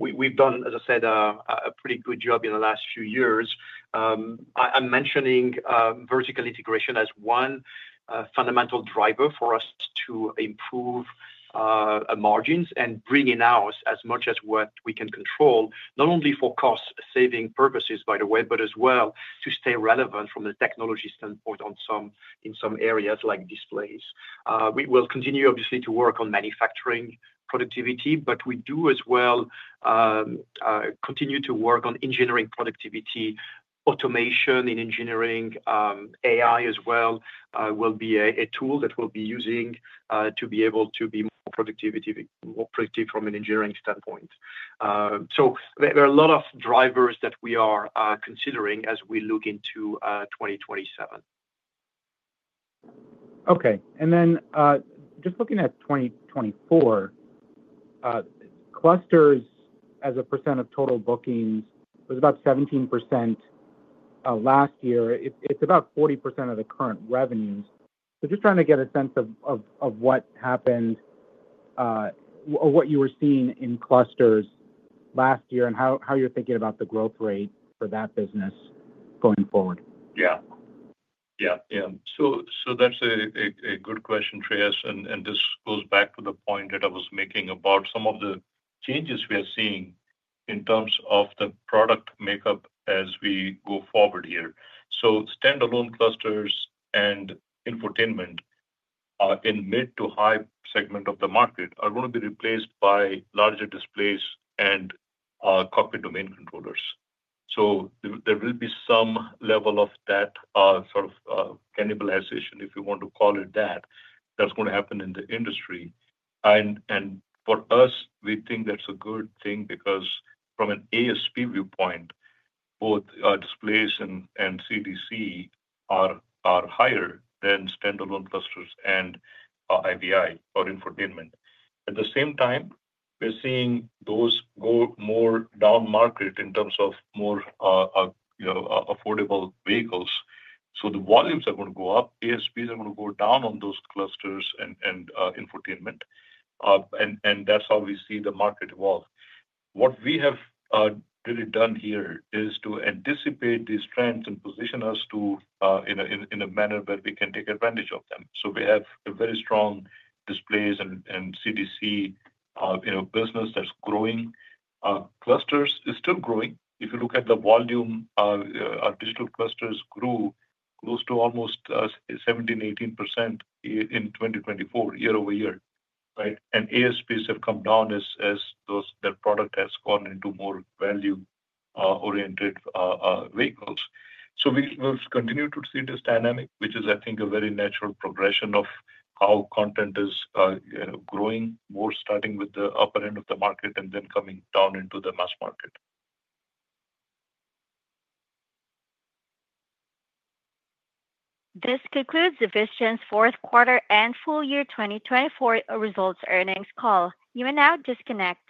We've done, as I said, a pretty good job in the last few years. I'm mentioning vertical integration as one fundamental driver for us to improve margins and bring in-house as much as what we can control, not only for cost-saving purposes, by the way, but as well to stay relevant from the technology standpoint in some areas like displays. We will continue, obviously, to work on manufacturing productivity, but we do as well continue to work on engineering productivity. Automation in engineering, AI as well, will be a tool that we'll be using to be able to be more productive from an engineering standpoint. So there are a lot of drivers that we are considering as we look into 2027. Okay. And then just looking at 2024, clusters as a percent of total bookings was about 17% last year. It's about 40% of the current revenues. So just trying to get a sense of what happened or what you were seeing in clusters last year and how you're thinking about the growth rate for that business going forward? Yeah. So that's a good question, ShreyasAt the same time, we're seeing those go more down market in terms of more affordable vehicles, so the volumes are going to go up, ASPs are going to go down on those clusters and infotainment, and that's how we see the market evolve. What we have really done here is to anticipate these trends and position us in a manner that we can take advantage of them, so we have very strong displays and CDC business that's growing. Clusters is still growing. If you look at the volume, our digital clusters grew close to almost 17%-18% in 2024, year over year. Right? And ASPs have come down as their product has gone into more value-oriented vehicles. So we'll continue to see this dynamic, which is, I think, a very natural progression of how content is growing more, starting with the upper end of the market and then coming down into the mass market. This concludes Visteon's fourth quarter and full year 2024 results earnings call. You may now disconnect.